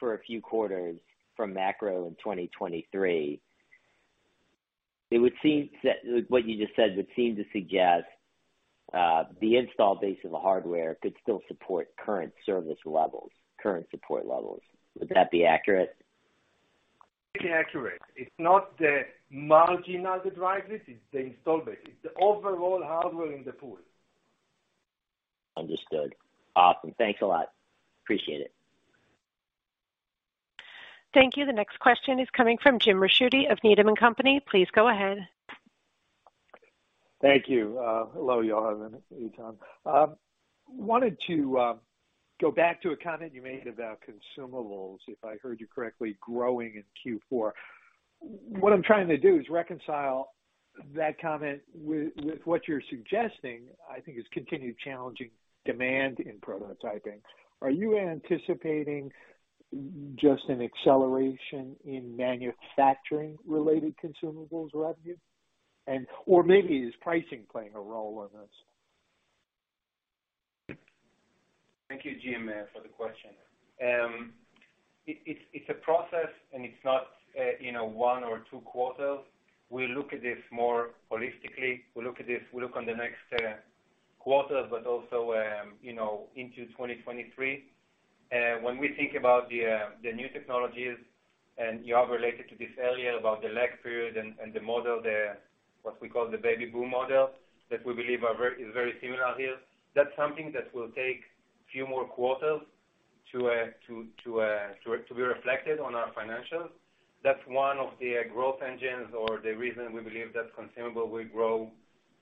for a few quarters from macro in 2023, it would seem that what you just said would seem to suggest the install base of the hardware could still support current service levels, current support levels. Would that be accurate? Pretty accurate. It's not the margin that drives this, it's the install base. It's the overall hardware in the pool. Understood. Awesome. Thanks a lot. Appreciate it. Thank you. The next question is coming from Jim Ricchiuti of Needham & Company. Please go ahead. Thank you. Hello, Yoav and Eitan. Wanted to go back to a comment you made about consumables, if I heard you correctly, growing in Q4. What I'm trying to do is reconcile that comment with what you're suggesting, I think, is continued challenging demand in prototyping. Are you anticipating just an acceleration in manufacturing-related consumables revenue? Or maybe is pricing playing a role in this? Thank you, Jim, for the question. It's a process, and it's not, you know, one or two quarters. We look at this more holistically. We look on the next quarter, but also, you know, into 2023. When we think about the new technologies, and Yoav related to this earlier about the lag period and the model there, what we call the baby boom model, that we believe is very similar here. That's something that will take few more quarters to be reflected on our financials. That's one of the growth engines or the reason we believe that consumable will grow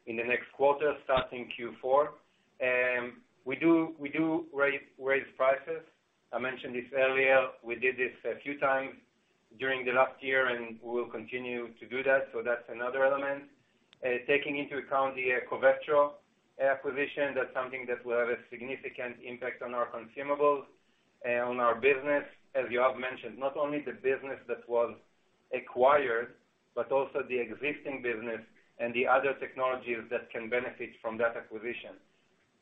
in the next quarter, starting Q4. We do raise prices. I mentioned this earlier. We did this a few times during the last year, and we will continue to do that. That's another element. Taking into account the Covestro acquisition, that's something that will have a significant impact on our consumables and on our business. As Yoav mentioned, not only the business that was acquired, but also the existing business and the other technologies that can benefit from that acquisition.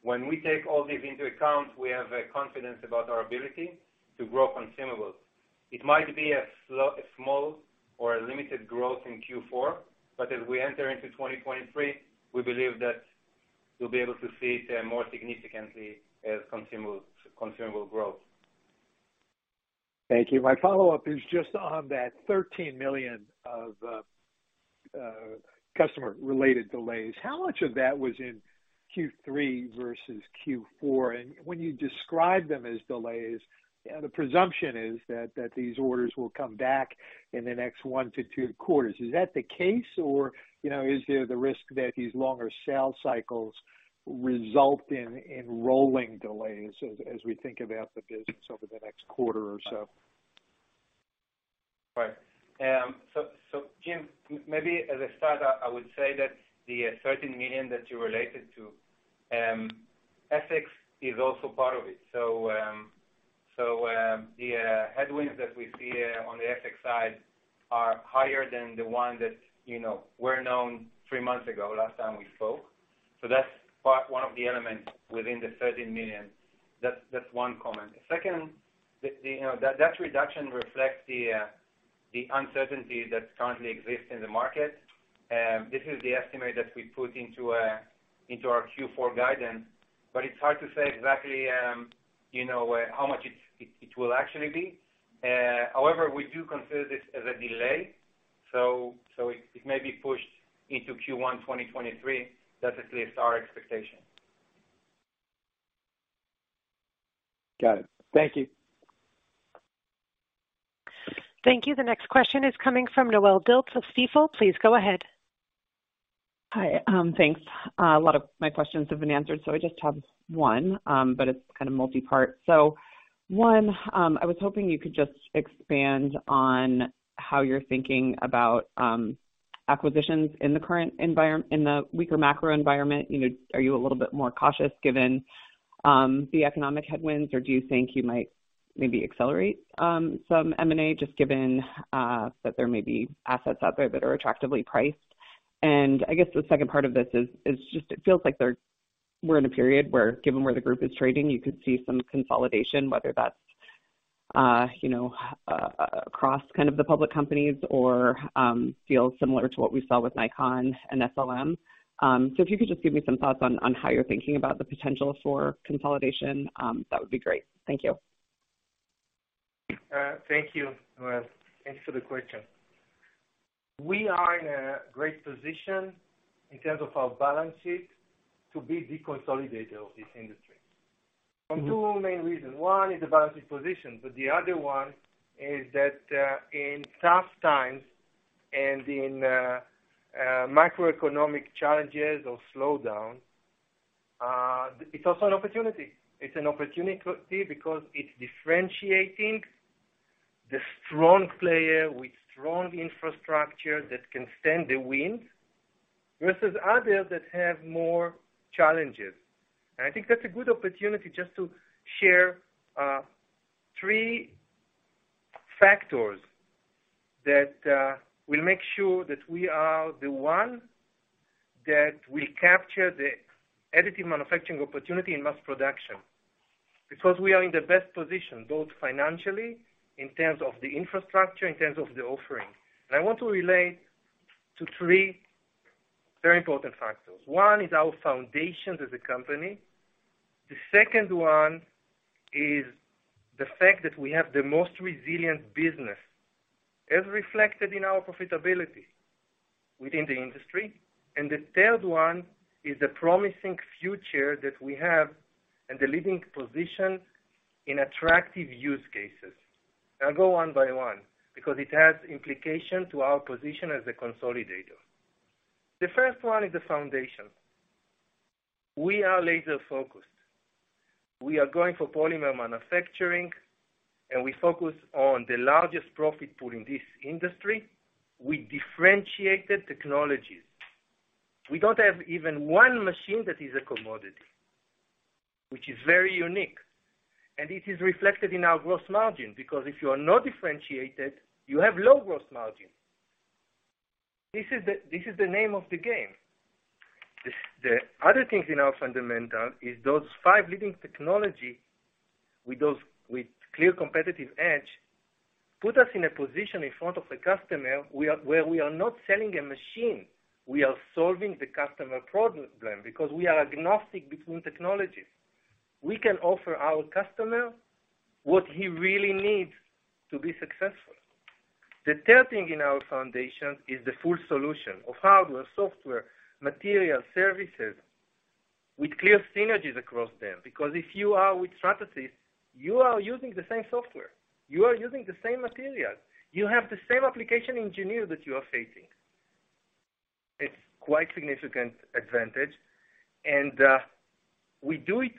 When we take all this into account, we have confidence about our ability to grow consumables. It might be a small or a limited growth in Q4, but as we enter into 2023, we believe that we'll be able to see it more significantly as consumable grows. Thank you. My follow-up is just on that $13 million of customer-related delays. How much of that was in Q3 versus Q4? When you describe them as delays, the presumption is that these orders will come back in the next one to two quarters. Is that the case or, you know, is there the risk that these longer sales cycles result in rolling delays as we think about the business over the next quarter or so? Right. Jim, maybe as a start, I would say that the $13 million that you related to FX is also part of it. The headwinds that we see on the FX side are higher than the ones that you know were known three months ago, last time we spoke. That's part one of the elements within the $13 million. That's one comment. The second, you know, that reduction reflects the uncertainty that currently exists in the market. This is the estimate that we put into our Q4 guidance, but it's hard to say exactly, you know, how much it will actually be. However, we do consider this as a delay, so it may be pushed into Q1 2023. That's at least our expectation. Got it. Thank you. Thank you. The next question is coming from Noelle Dilts of Stifel. Please go ahead. Hi. Thanks. A lot of my questions have been answered, so I just have one, but it's kinda multi-part. One, I was hoping you could just expand on how you're thinking about acquisitions in the current in the weaker macro environment. You know, are you a little bit more cautious given the economic headwinds, or do you think you might maybe accelerate some M&A just given that there may be assets out there that are attractively priced? And I guess the second part of this is just it feels like we're in a period where, given where the group is trading, you could see some consolidation, whether that's you know across kind of the public companies or feel similar to what we saw with Nikon and SLM. If you could just give me some thoughts on how you're thinking about the potential for consolidation, that would be great. Thank you. Thank you, Noelle. Thanks for the question. We are in a great position in terms of our balance sheet to be the consolidator of this industry. For two main reasons. One is the balance sheet position, but the other one is that, in tough times and in macroeconomic challenges or slowdowns, it's also an opportunity. It's an opportunity because it's differentiating the strong player with strong infrastructure that can stand the wind versus others that have more challenges. I think that's a good opportunity just to share three factors that will make sure that we are the one that will capture the additive manufacturing opportunity in mass production. Because we are in the best position, both financially, in terms of the infrastructure, in terms of the offering. I want to relate to three very important factors. One is our foundation as a company. The second one is the fact that we have the most resilient business, as reflected in our profitability within the industry. The third one is the promising future that we have and the leading position in attractive use cases. I'll go one by one because it has implications to our position as the consolidator. The first one is the foundation. We are laser-focused. We are going for polymer manufacturing, and we focus on the largest profit pool in this industry with differentiated technologies. We don't have even one machine that is a commodity, which is very unique. It is reflected in our gross margin, because if you are not differentiated, you have low gross margin. This is the name of the game. The other things in our fundamental is those five leading technology with clear competitive edge, put us in a position in front of the customer where we are not selling a machine, we are solving the customer problem because we are agnostic between technologies. We can offer our customer what he really needs to be successful. The third thing in our foundation is the full solution of hardware, software, materials, services with clear synergies across them. Because if you are with Stratasys, you are using the same software, you are using the same materials, you have the same application engineer that you are facing. It's quite significant advantage, and we do it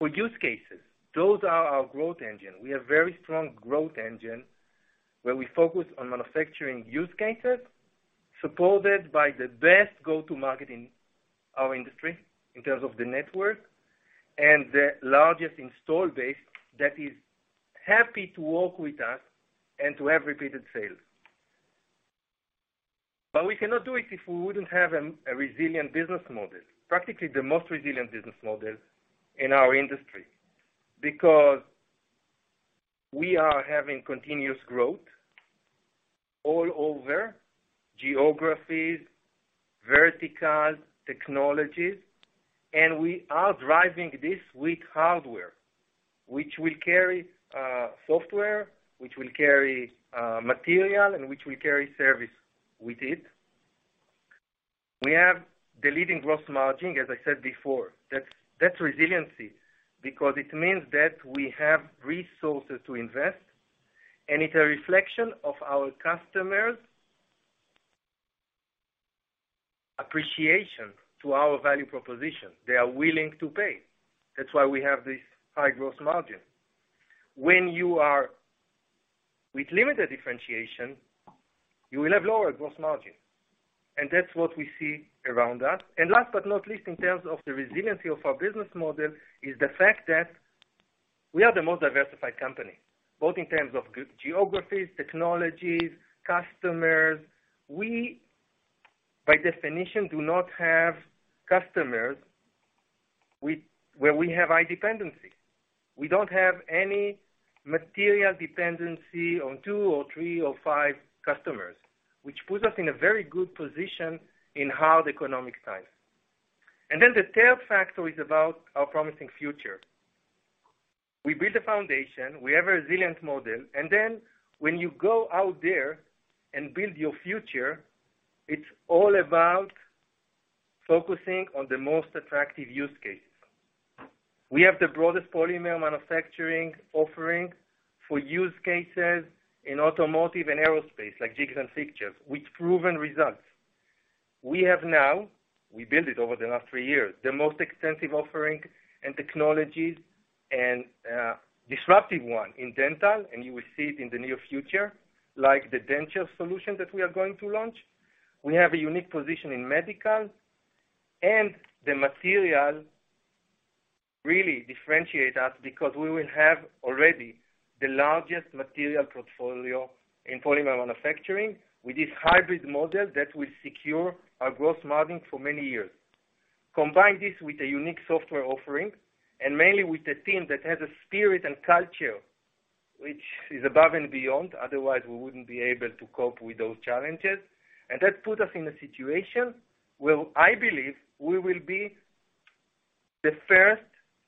with use cases. Those are our growth engine. We have very strong growth engine where we focus on manufacturing use cases supported by the best go-to-market in our industry in terms of the network, and the largest install base that is happy to work with us and to have repeated sales. We cannot do it if we wouldn't have a resilient business model, practically the most resilient business model in our industry. We are having continuous growth all over geographies, verticals, technologies, and we are driving this with hardware, which will carry software, which will carry material, and which will carry service with it. We have the leading gross margin, as I said before. That's resiliency because it means that we have resources to invest, and it's a reflection of our customers' appreciation to our value proposition. They are willing to pay. That's why we have this high gross margin. When you are with limited differentiation, you will have lower gross margin. That's what we see around us. Last but not least, in terms of the resiliency of our business model is the fact that we are the most diversified company, both in terms of geographies, technologies, customers. We, by definition, do not have customers where we have high dependency. We don't have any material dependency on two or three or five customers, which puts us in a very good position in hard economic times. The third factor is about our promising future. We build a foundation, we have a resilient model, and then when you go out there and build your future, it's all about focusing on the most attractive use cases. We have the broadest polymer manufacturing offering for use cases in automotive and aerospace, like jigs and fixtures, with proven results. We have now, we built it over the last three years, the most extensive offering in technologies and disruptive one in dental, and you will see it in the near future, like the denture solution that we are going to launch. We have a unique position in medical, and the material really differentiate us because we will have already the largest material portfolio in polymer manufacturing with this hybrid model that will secure our growth margin for many years. Combine this with a unique software offering and mainly with a team that has a spirit and culture which is above and beyond, otherwise we wouldn't be able to cope with those challenges. That put us in a situation where I believe we will be the first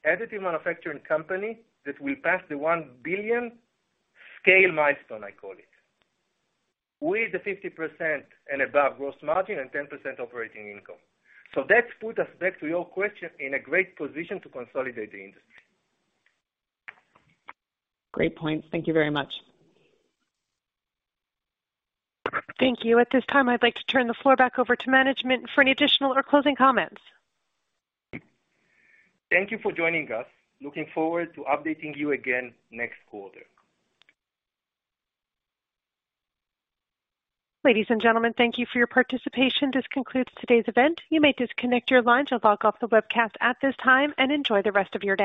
additive manufacturing company that will pass the $1 billion scale milestone, I call it, with the 50% and above gross margin and 10% operating income. That put us, back to your question, in a great position to consolidate the industry. Great point. Thank you very much. Thank you. At this time, I'd like to turn the floor back over to management for any additional or closing comments. Thank you for joining us. Looking forward to updating you again next quarter. Ladies and gentlemen, thank you for your participation. This concludes today's event. You may disconnect your lines or log off the webcast at this time, and enjoy the rest of your day.